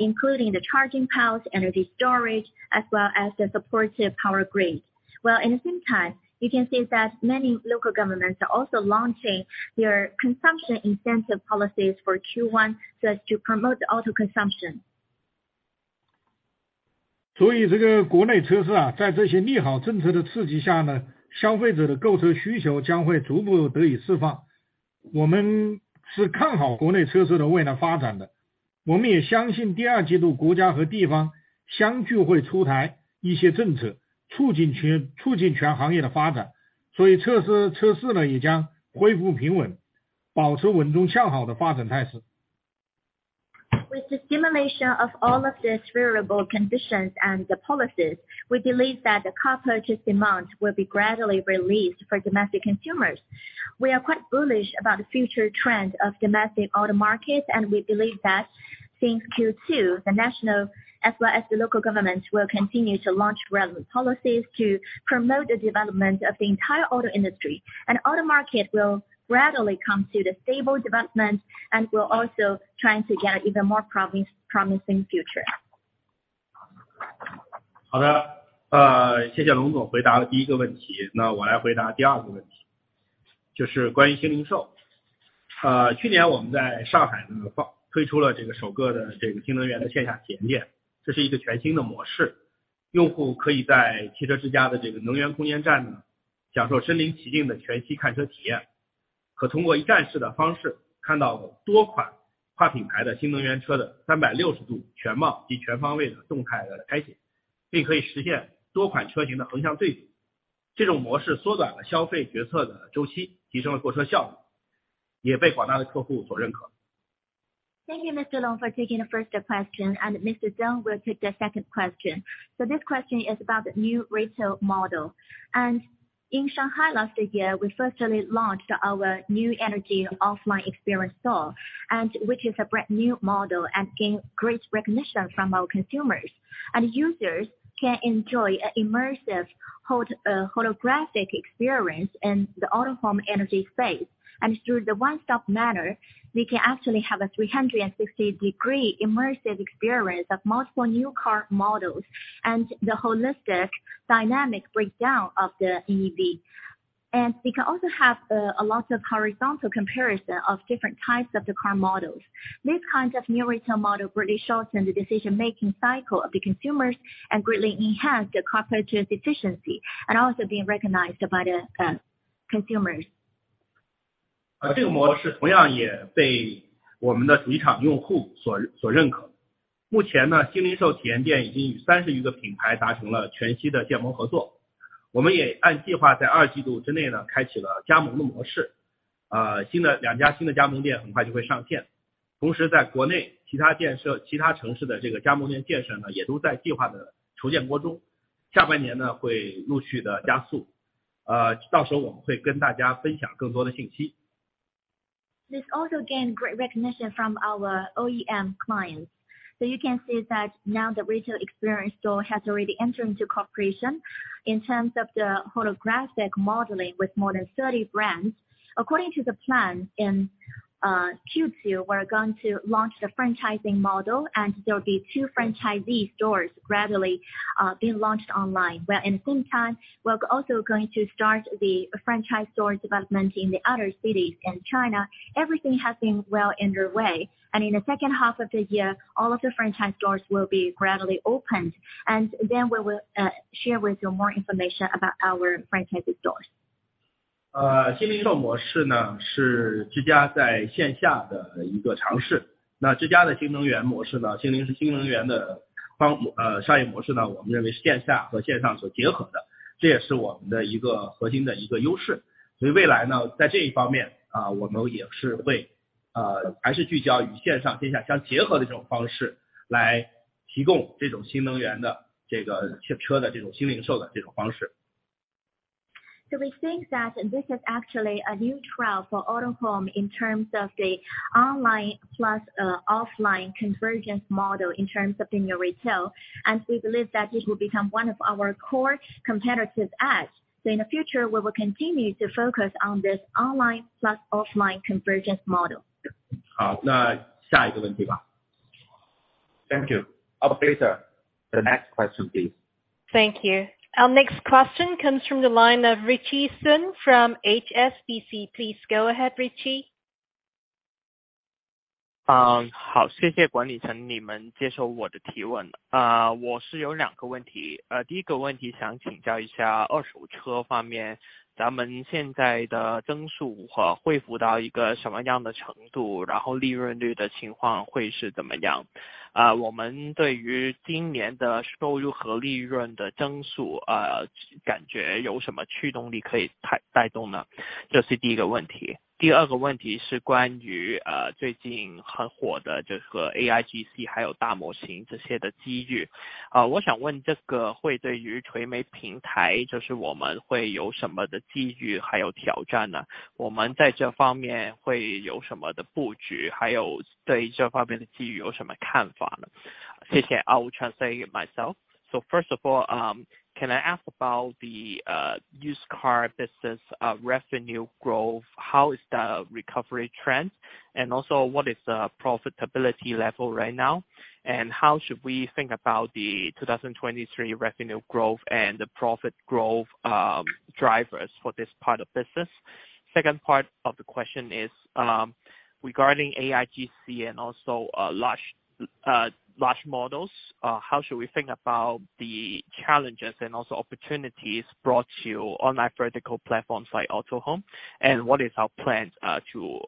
including the charging piles, energy storage, as well as the supportive power grid. While at the same time, you can see that many local governments are also launching their consumption incentive policies for Q1 so as to promote auto consumption. 所以这个国内车市 啊， 在这些利好政策的刺激下 呢， 消费者的购车需求将会逐步得以释放。我们是看好国内车市的未来发展的。我们也相信第二季度国家和地方相聚会出台一些政 策， 促进全行业的发 展， 所以车市呢也将恢复平 稳， 保持稳中向好的发展态势。With the stimulation of all of these variable conditions and the policies, we believe that the car purchase demand will be gradually released for domestic consumers. We are quite bullish about the future trend of domestic auto market, and we believe that since Q2, the national as well as the local governments will continue to launch relevant policies to promote the development of the entire auto industry. Auto market will gradually come to the stable development and will also trying to get even more promising future. 好 的， 呃， 谢谢龙总回答了第一个问 题， 那我来回答第二个问 题， 就是关于新零售。呃， 去年我们在上海 呢， 放， 推出了这个首个的这个新能源的线下体验 店， 这是一个全新的模 式， 用户可以在汽车之家的这个能源空间站 呢， 享受身临其境的全息看车体验，可通过一站式的方式看到多款跨品牌的新能源车的三百六十度全貌及全方位的动态的开 启， 并可以实现多款车型的横向对比。这种模式缩短了消费决策的周 期， 提升了购车效 率， 也被广大的客户所认可。Thank you, Mr. Long, for taking the first question. Mr. Zeng will take the second question. This question is about the new retail model. In Shanghai last year, we firstly launched our new energy offline experience store and which is a brand new model and gain great recognition from our consumers. Users can enjoy an immersive holographic experience in the Autohome Energy Space. Through the one stop manner, we can actually have a 360-degree immersive experience of multiple new car models and the holistic dynamic breakdown of the NEV. We can also have a lot of horizontal comparison of different types of the car models. These kinds of new retail model really shorten the decision making cycle of the consumers and greatly enhance the car purchase efficiency and also being recognized by the consumers. 呃， 这个模式同样也被我们的主机厂用户 所， 所认可。目前 呢， 新零售体验店已经与三十余个品牌达成了全息的建模合 作， 我们也按计划在二季度之内 呢， 开启了加盟的模式呃新的两家新的加盟店很快就会上线。同时在国内其他建设其他城市的这个加盟店建设呢也都在计划的筹建当中。下半年呢会陆续地加 速， 呃到时候我们会跟大家分享更多的信息。This also gain great recognition from our OEM clients. You can see that now the retail experience store has already entered into cooperation in terms of the holographic modeling with more than 30 brands. According to the plan, in Q2, we're going to launch the franchising model and there'll be 2 franchisee stores gradually being launched online. Where in the same time, we're also going to start the franchise store development in the other cities in China. Everything has been well under way, and in the second half of the year, all of the franchise stores will be gradually opened, and then we will share with you more information about our franchisee stores. 新零售模式呢是 Autohome 在线下的一个尝 试. Autohome 的新能源模式 呢, 商业模式 呢, 我们认为是线下和线上所结合 的, 这也是我们的一个核心的一个优 势. 未来 呢, 在这一方 面, 我们也是会还是聚焦于线上线下相结合的这种方式来提供这种新能源的这个电车的这种新零售的这种方 式. We think that this is actually a new trial for Autohome in terms of the online plus offline convergence model in terms of in your retail, and we believe that this will become one of our core competitive edge. In the future, we will continue to focus on this online plus offline convergence model. 好那下一个问题吧。Thank you. Operator, the next question please. Thank you. Our next question comes from the line of Ritchie Sun from HSBC. Please go ahead, Richie. 好谢谢管理层你们接受我的提问。我是有两个问题。第一个问题想请教一下二手车方 面， 咱们现在的增速和恢复到一个什么样的程 度， 然后利润率的情况会是怎么 样？ 我们对于今年的收入和利润的增 速， 感觉有什么驱动力可以带动 呢？ 这是第一个问题。第二个问题是关于最近很火的这个 AIGC， 还有大模型这些的机遇。我想问这个会对于垂媒平 台， 就是我们会有什么的机 遇， 还有挑战 呢？ 我们在这方面会有什么的布 局， 还有对这方面的机遇有什么看法 呢？ 谢谢。I'll translate myself. First of all, can I ask about the used car business, revenue growth? What is the recovery trend? What is the profitability level right now? How should we think about the 2023 revenue growth and the profit growth, drivers for this part of business? Second part of the question is regarding AIGC and also large models, how should we think about the challenges and also opportunities brought to you online vertical platforms like Autohome? What is our plan, to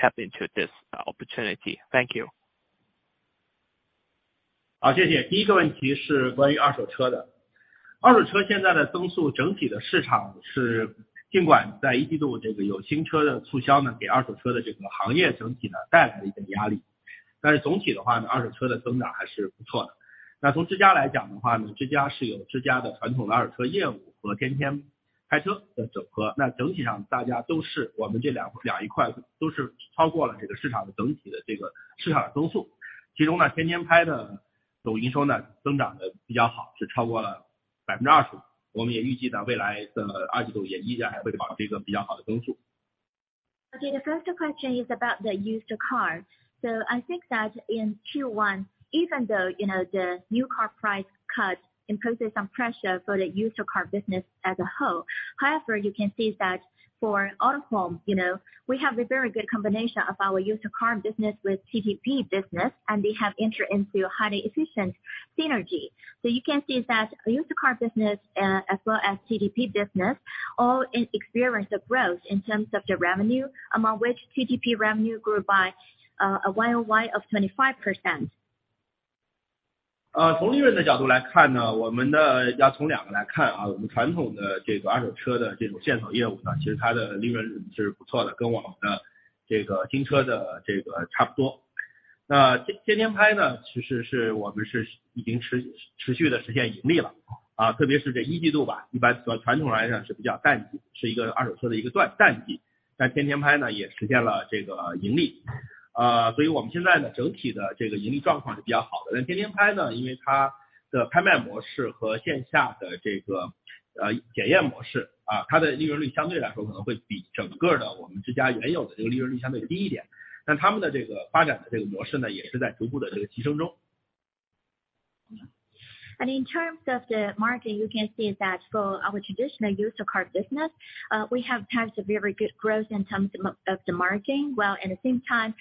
tap into this opportunity? Thank you. 好， 谢谢。第一个问题是关于二手车的。二手车现在的增 速， 整体的市场是尽管在一季度这个有新车的促销 呢， 给二手车的这个行业整体呢带来一定压 力， 但是总体的话 呢， 二手车的增长还是不错的。那从之家来讲的话 呢， 之家是有之家的传统的二手车业务和天天拍车的整 合， 那整体上大家都是我们这 两， 两一块都是超过了这个市场的整体的这个市场的增速。其中 呢， 天天拍的总营收呢增长得比较 好， 是超过了百分之二十五。我们也预计在未来的二季度也依然还会保持一个比较好的增速。Okay, the first question is about the used car. I think that in Q1, even though, you know, the new car price cut imposes some pressure for the used car business as a whole. However, you can see that for Autohome, you know, we have a very good combination of our used car business with TTP business, and we have entered into a highly efficient synergy. You can see that used car business, as well as TTP business, all experience the growth in terms of the revenue, among which TTP revenue grew by a YOY of 25%. 啊从利润的角度来看 呢， 我们的要从两个来看 啊， 我们传统的这个二手车的这种线索业务 呢， 其实它的利润是不错 的， 跟我们的这个新车的这个差不多。那天天拍 呢， 其实是我们是已经 持， 持续地实现盈利 了， 啊特别是这一季度 吧， 一般说传统来讲是比较淡 季， 是一个二手车的一个 断， 淡 季， 但天天拍呢也实现了这个盈利。啊所以我们现在呢整体的这个盈利状况是比较好的。那天天拍 呢， 因为它的拍卖模式和线下的这 个， 呃检验模 式， 啊它的利润率相对来说可能会比整个的我们之家原有的这个利润率相对低一 点， 但他们的这个发展的这个模式 呢， 也是在逐步的这个提升中。In terms of the margin, you can see that for our traditional used car business, we have had a very good growth in terms of the margin, while at the same time,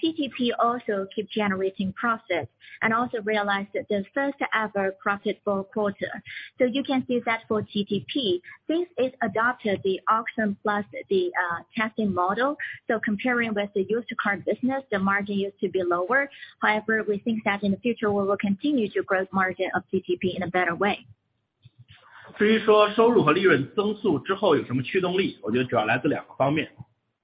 TTP also keep generating profit and also realized its first ever profit for a quarter. You can see that for TTP, since it's adopted the auction plus the testing model, so comparing with the used car business, the margin used to be lower. However, we think that in the future we will continue to grow margin of TTP in a better way. 至于说收入和利润增速之后有什么驱动 力, 我觉得主要来自 2个方面.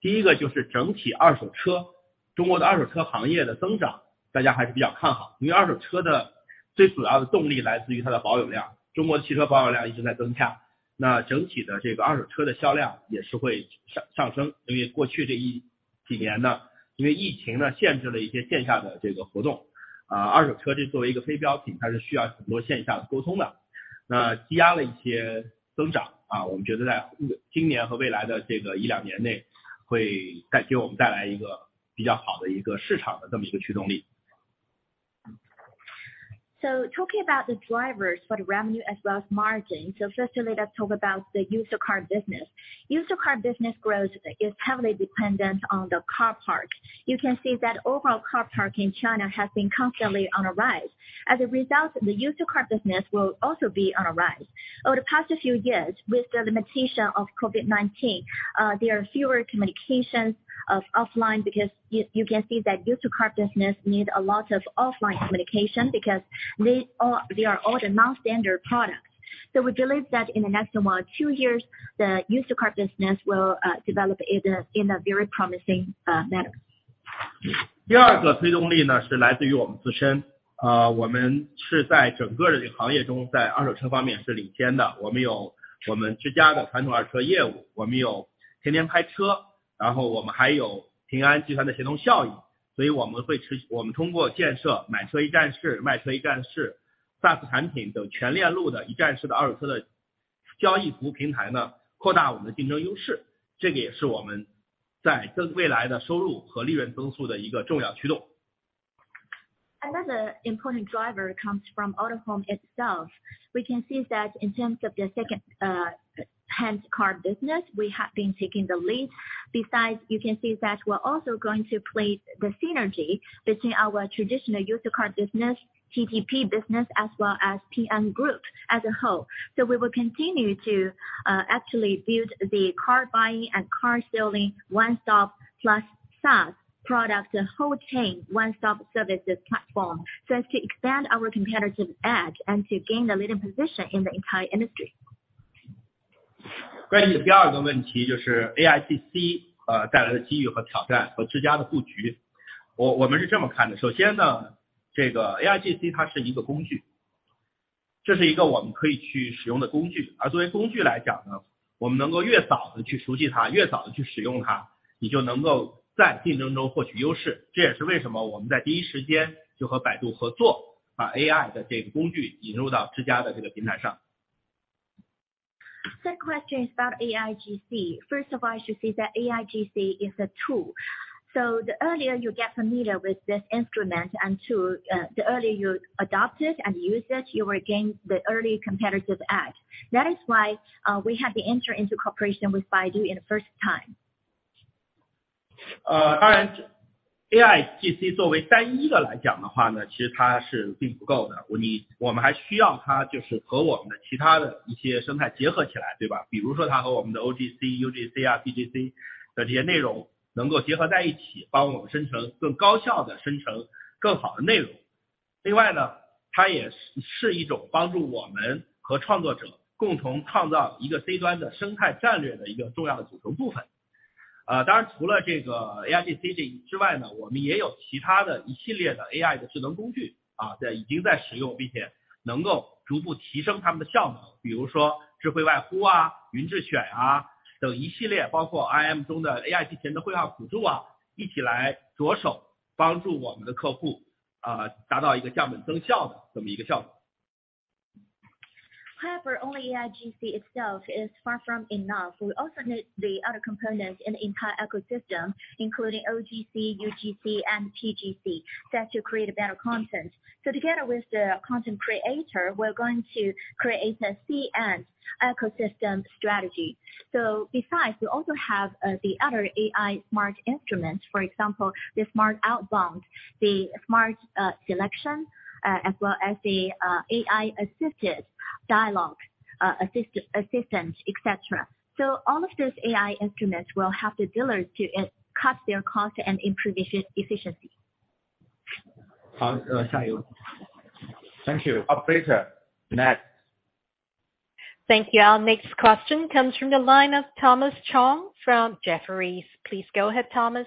第1个 就是整体二手 车, 中国的二手车行业的增长大家还是比较看 好, 因为二手车的最主要的动力来自于它的保有 量, 中国汽车保有量一直在增 加, 那整体的这个二手车的销量也是会上 升. 因为过去这一几年 呢, 因为疫情的限制的一些线下的这个活 动, 二手车这作为一个非标 品, 它是需要很多线下沟通 的, 那积压了一些增 长. 我们觉得在今年和未来的这个 1-2年内, 会带给我们带来一个比较好的一个市场的这么一个驱动 力. Talking about the drivers for the revenue as well as margin. Firstly let's talk about the used car business. Used car business growth is heavily dependent on the car park. You can see that overall car park in China has been constantly on a rise. As a result, the used car business will also be on a rise. Over the past few years with the limitation of COVID-19, there are fewer communications of offline because you can see that used car business need a lot of offline communication because they are all the non-standard products. We believe that in the next one or two years, the used car business will develop in a very promising manner. 第二个推动力 呢， 是来自于我们自身。我们是在整个的行业 中， 在二手车方面是领先的。我们有我们自家的传统二手车业务。我们有天天拍车。然后我们还有 Ping An Group 的协同效应。我们会持续我们通过建设买车一站式、卖车一站式、SaaS 产品等全链路的一站式的二手车的交易服务平台 呢， 扩大我们的竞争优势。这个也是我们在未来的收入和利润增速的一个重要驱动。Another important driver comes from Autohome itself. We can see that in terms of the second-hand car business, we have been taking the lead. Besides, you can see that we're also going to play the synergy between our traditional used car business, TTP business as well as Ping An Group as a whole. We will continue to actually build the car buying and car selling one stop plus SaaS product, the whole chain one stop services platform so as to expand our competitive edge and to gain the leading position in the entire industry. 关于第二个问 题, 就是 AIGC 带来的机遇和挑战和自家的布 局. 我们是这么看 的, 首先 呢, 这个 AIGC 它是一个工 具, 这是一个我们可以去使用的工 具, 而作为工具来讲 呢, 我们能够越早地去熟悉 它, 越早地去使用 它, 你就能够在竞争中获取优 势. 这也是为什么我们在第一时间就和 Baidu 合 作, 把 AI 的这个工具引入到自家的这个平台 上. The question is about AIGC. First of all, you should see that AIGC is a tool. The earlier you get familiar with this instrument and tool, the early you adopt it and use it, you will gain the early competitive edge. That is why we have entered into cooperation with Baidu in the first time. 当然 AIGC 作为单一的来讲的话 呢，其实它 是并不够 的，我们 还需要 它，就是 和我们的其他的一些生态结合 起来，对 吧？比如说 它和我们的 OGC, UGC, PGC 的这些内容能够结合在 一起，帮 我们生成更高效 的，生成 更好的内容。另外 呢，它 也是一种帮助我们和创作者共同创造一个 C-end 的生态战略的一个重要的组成部分。当然除了这个 AIGC 之外 呢，我们 也有其他的一系列的 AI 的智能 工具，已经 在 使用，并且 能够逐步提升它们的 效能，比如说 智慧外呼, 云智选等 一系列，包括 IM 中的 AI 智能的会话 辅助，一起来 着手帮助我们的客户达到一个降本增效的这么一个效果。However, only AIGC itself is far from enough. We also need the other components in the entire ecosystem, including OGC, UGC, and PGC that to create a better content. Together with the content creator, we're going to create a CN ecosystem strategy. Besides, we also have the other AI smart instruments, for example, the smart outbound, the Smart Selection, as well as the AI assisted dialogue, assistance, etc. All of those AI instruments will help the dealers to cut their cost and improve efficiency. 好， 下一位。Thank you. Operator, next. Thank you. Our next question comes from the line of Thomas Chong from Jefferies. Please go ahead, Thomas.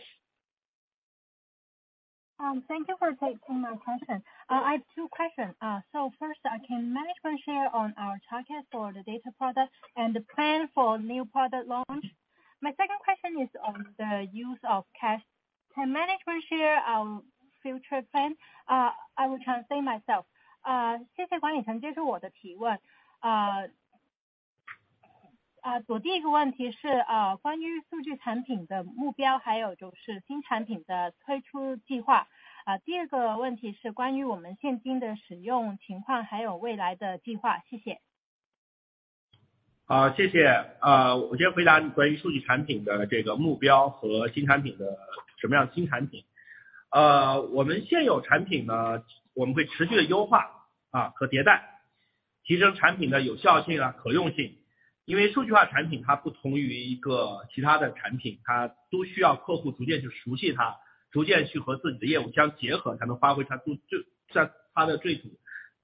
Thank you for taking my question. I have two questions. First can management share on our targets for the data product and the plan for new product launch? My second question is on the use of cash. Can management share our future plan? I will translate myself。谢谢管理层接受我的提问。我第一个问题是关于数据产品的目 标， 还有就是新产品的推出计划。第二个问题是关于我们现金的使用情 况， 还有未来的计划。谢谢。好， 谢谢。我先回答你关于数据产品的这个目标和新产品的什么样的新产品。我们现有产品 呢， 我们会持续地优 化， 和迭 代， 提升产品的有效 性， 可用性。因为数据化产品它不同于一个其他的产 品， 它都需要客户逐渐去熟悉它，逐渐去和自己的业务相结 合， 才能发挥它 最， 它的最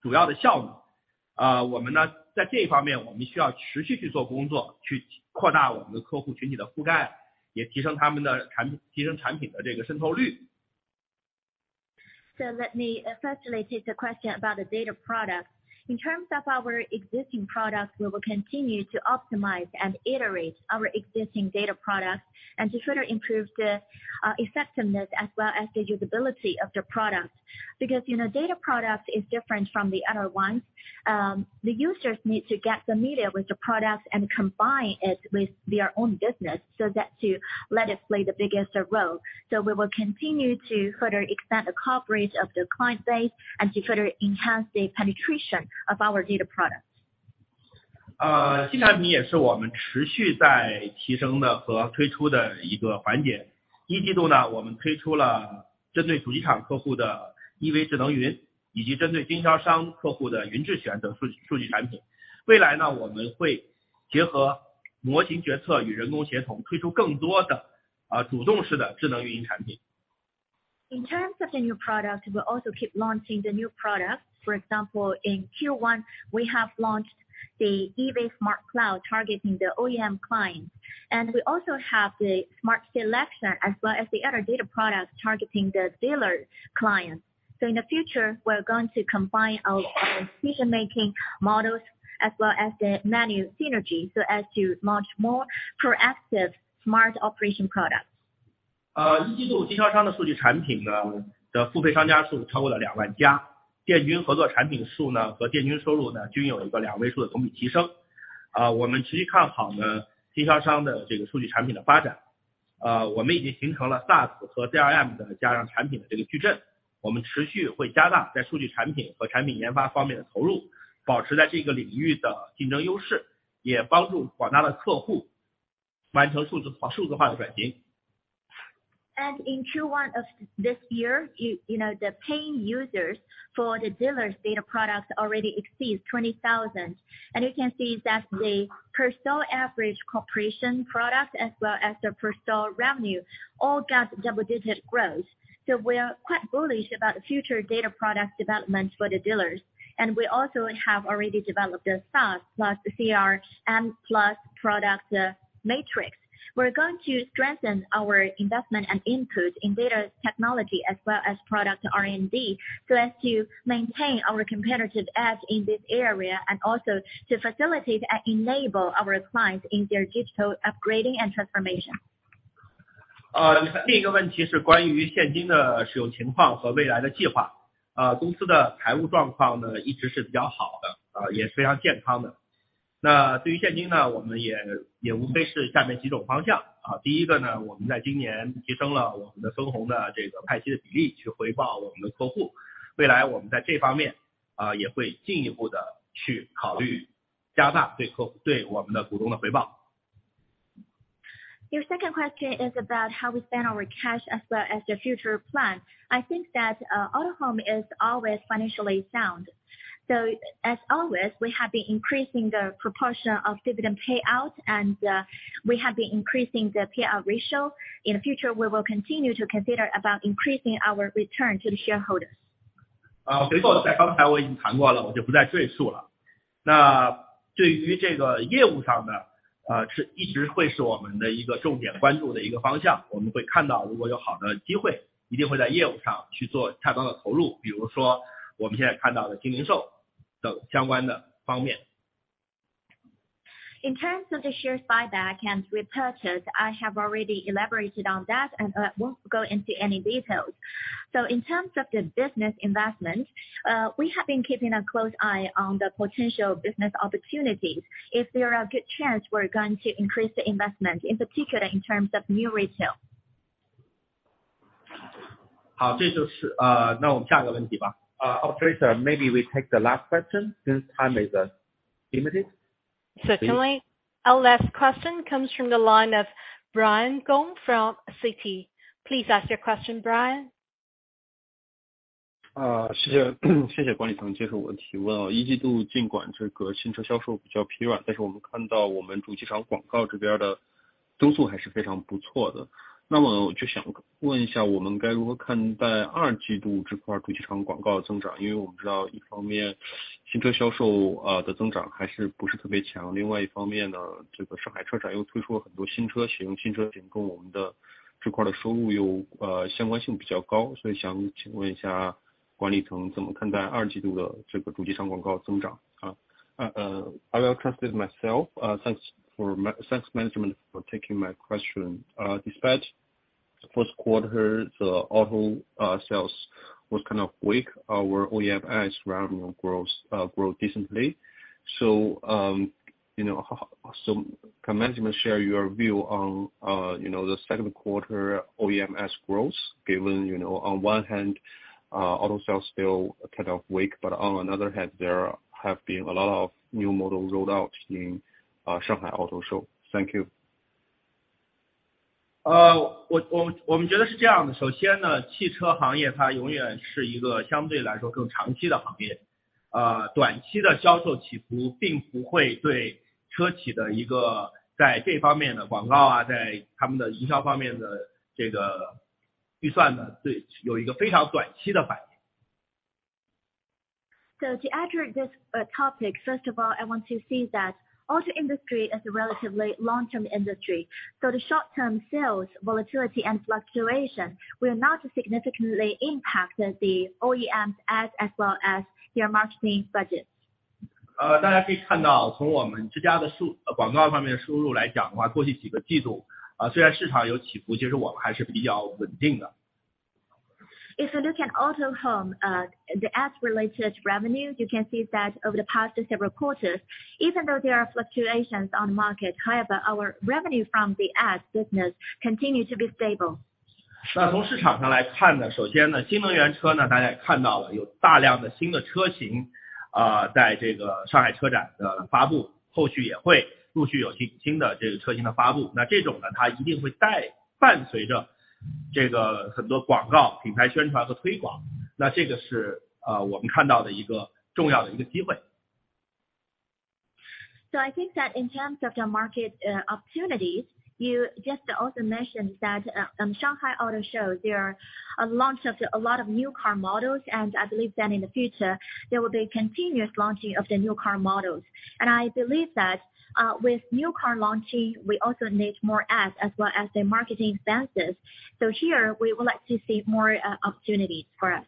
主要的效果。我们 呢， 在这一方 面， 我们需要持续去做工 作， 去扩大我们的客户群体的覆 盖， 也提升产品的这个渗透率。Let me first take the question about the data product. In terms of our existing products, we will continue to optimize and iterate our existing data products and to further improve the effectiveness as well as the usability of their products. Because you know, data product is different from the other ones, the users need to get familiar with the products and combine it with their own business, so that to let it play the biggest role. We will continue to further expand the coverage of the client base and to further enhance the penetration of our data products. 新产品也是我们持续在提升的和推出的一个环节。一季度 呢， 我们推出了针对主机厂客户的 EV智能云， 以及针对经销商客户的云智选等数据产品。未来 呢， 我们会结合模型决策与人工协 同， 推出更多的主动式的智能运营产品。In terms of the new product, we will also keep launching the new product. For example, in Q1, we have launched the EV Smart Cloud targeting the OEM clients. We also have the Smart Selection as well as the other data products targeting the dealer clients. In the future, we're going to combine our decision-making models as well as the manual synergy so as to launch more proactive smart operation products. 啊一季度经销商的数据产品 呢， 的付费商家数超过了两万 家， 电军合作产品数呢和电军收入呢均有一个两位数的同比提升。啊我们极其看好 呢， 经销商的这个数据产品的发 展， 啊我们已经形成了 SaaS 和 DRM 的加上产品的这个矩阵，我们持续会加大在数据产品和产品研发方面的投 入， 保持在这个领域的竞争优 势， 也帮助广大的客户完成数 字， 数智化的转型。In Q1 of this year, you know, the paying users for the dealers data products already exceeds 20,000. You can see that the personal average cooperation products as well as the personal revenue all got double-digit growth. We're quite bullish about the future data product development for the dealers. We also have already developed a SaaS plus CRM plus products matrix. We're going to strengthen our investment and input in data technology as well as product R&D so as to maintain our competitive edge in this area and also to facilitate and enable our clients in their digital upgrading and transformation. 另一个问题是关于现金的使用情况和未来的计划。公司的财务状况 呢， 一直是比较好 的， 也非常健康的。那对于现金 呢， 我们也无非是下面几种方向。第一个 呢， 我们在今年提升了我们的分红的这个派息的比例去回报我们的客 户， 未来我们在这方面也会进一步地去考虑加大对客 户， 对我们的股东的回报。Your second question is about how we spend our cash as well as the future plan. I think that Autohome is always financially sound. As always, we have been increasing the proportion of dividend payout and we have been increasing the payout ratio. In the future, we will continue to consider about increasing our return to the shareholders. 回购在刚才我已经谈过 了, 我就不再赘述 了. 对于这个业务上 呢, 是一直会是我们的一个重点关注的一个方 向, 我们会看 到, 如果有好的机 会, 一定会在业务上去做恰当的投 入, 比如说我们现在看到的精灵兽等相关的方 面. In terms of the share buyback and repurchase, I have already elaborated on that and I won't go into any details. In terms of the business investment, we have been keeping a close eye on the potential business opportunities. If there are good chance, we are going to increase the investment, in particular in terms of new retail. 好， 这就是那我们下一个问题吧。Operator, maybe we take the last question since time is limited. Certainly. Our last question comes from the line of Brian Gong from Citi. Please ask your question, Brian. 谢 谢， 谢谢管理层接受我的提问。一季度尽管这个新车销售比较疲 软， 我们看到我们主机厂广告这边的增速还是非常不错的。我就想问一 下， 我们该如何看待二季度这块主机厂广告的增长。我们知道一方面新车销售的增长还是不是特别 强， 另外一方面 呢， 这个上海车展又推出了很多新 车， 启用新车 型， 跟我们的这块的收入有相关性比较高。想请问一下管理层怎么看待二季度的这个主机厂广告增 长？ I will translate myself. Thanks management for taking my question. Despite first quarter the auto sales was kind of weak, our OEMs revenue grow decently. You know, can management share your view on, you know, the second quarter OEMs growth, given, you know, on one hand, auto sales still kind of weak, but on another hand, there have been a lot of new models rolled out in Shanghai Auto Show. Thank you. 我们觉得是这样的首先呢汽车行业它永远是一个相对来说更长期的行业短期的销售起伏并不会对车企的一个在这方面的广告在他们的营销方面的这个预算呢最有一个非常短期的反 应. To address this topic, first of all, I want to say that auto industry is a relatively long-term industry. The short term sales, volatility and fluctuation will not significantly impact the OEM as well as their marketing budgets. 大家可以看到从我们之家的数广告方面的收入来讲的话过去几个季度虽然市场有起伏其实我们还是比较稳定的。If you look at Autohome, the ads related revenue, you can see that over the past several quarters, even though there are fluctuations on the market, however, our revenue from the ads business continue to be stable. 从市场上来看呢首先呢新能源车呢大家也看到了有大量的新的车型啊在这个上海车展的发布后续也会陆续有新新的这个车型的发布那这种呢它一定会带伴随着这个很多广告品牌宣传和推广那这个是我们看到的一个重要的一个机会。I think that in terms of the market opportunities, you just also mentioned that Shanghai Auto Show, there are a launch of a lot of new car models. I believe that in the future there will be continuous launching of the new car models. I believe that, with new car launching, we also need more ADS as well as the marketing expenses. Here we would like to see more opportunities for us.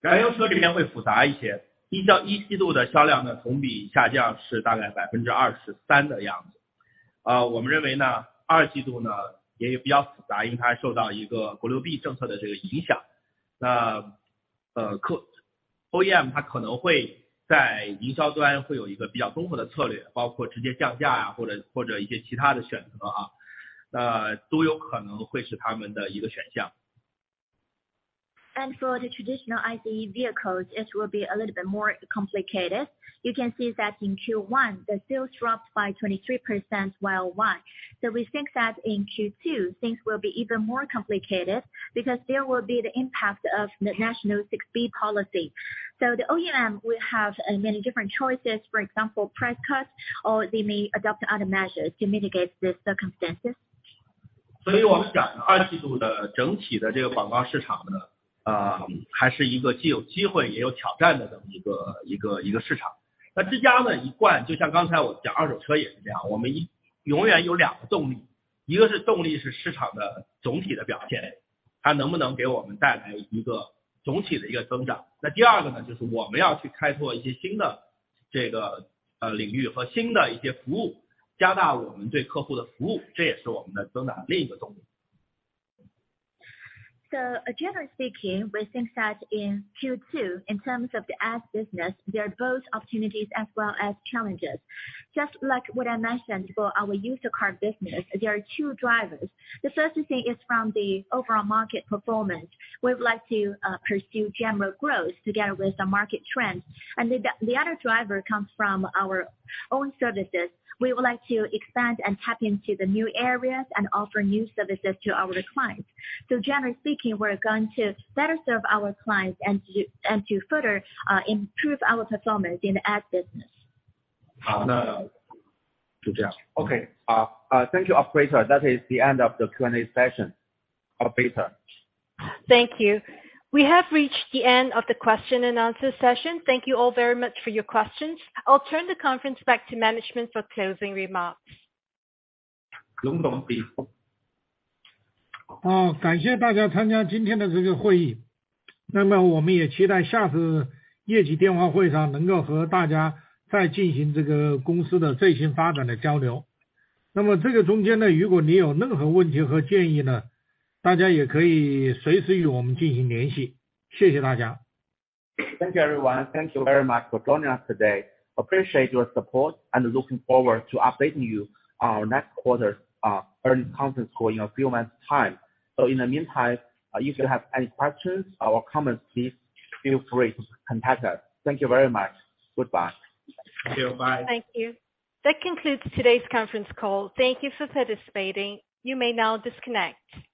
燃油车这边会复杂一些一到一季度的销量呢同比下降是大概百分之二十三的样子啊我们认为呢二季度呢也比较复杂因为它受到一个国六 B 政策的这个影响那呃可 OEM 它可能会在营销端会有一个比较综合的策略包括直接降价啊或者或者一些其他的选择啊呃都有可能会是他们的一个选项。For the traditional ICE vehicles, it will be a little bit more complicated. You can see that in Q1, the sales dropped by 23% year-on-year. We think that in Q2, things will be even more complicated because there will be the impact of the China 6b policy. The OEM will have many different choices. For example, price cuts or they may adopt other measures to mitigate this circumstances. 我们想二季度的整体的这个广告市场呢还是一个既有机会也有挑战的这么一个市场。之家呢一贯就像刚才我讲二手车也是这 样，我 们永远有两个动力。一个是动 力，是 市场的总体的表 现，它 能不能给我们带来一个总体的增长。第二个呢就是我们要去开拓一些新的这个领域和新的一些服 务，加 大我们对客户的服 务，这 也是我们的增长的另一个动力。Generally speaking, we think that in Q2, in terms of the ads business, there are both opportunities as well as challenges. Just like what I mentioned for our used car business, there are two drivers. The first thing is from the overall market performance. We would like to pursue general growth together with the market trends. The other driver comes from our own services. We would like to expand and tap into the new areas and offer new services to our clients. Generally speaking, we're going to better serve our clients and to further improve our performance in the ads business. 好那就这 样. OK, thank you operator. That is the end of the Q&A session. Operator. Thank you. We have reached the end of the question and answer session. Thank you all very much for your questions. I'll turn the conference back to management for closing remarks. Quan Long, please. 好感谢大家参加今天的这个会议。那么我们也期待下次业绩电话会上能够和大家再进行这个公司的最新发展的交流。那么这个中间呢如果你有任何问题和建议呢大家也可以随时与我们进行联系。谢谢大家。Thank you everyone. Thank you very much for joining us today. Appreciate your support and looking forward to updating you our next quarter earnings conference call in a few months time. In the meantime, if you have any questions or comments, please feel free to contact us. Thank you very much. Goodbye. Thank you. That concludes today's conference call. Thank you for participating. You may now disconnect.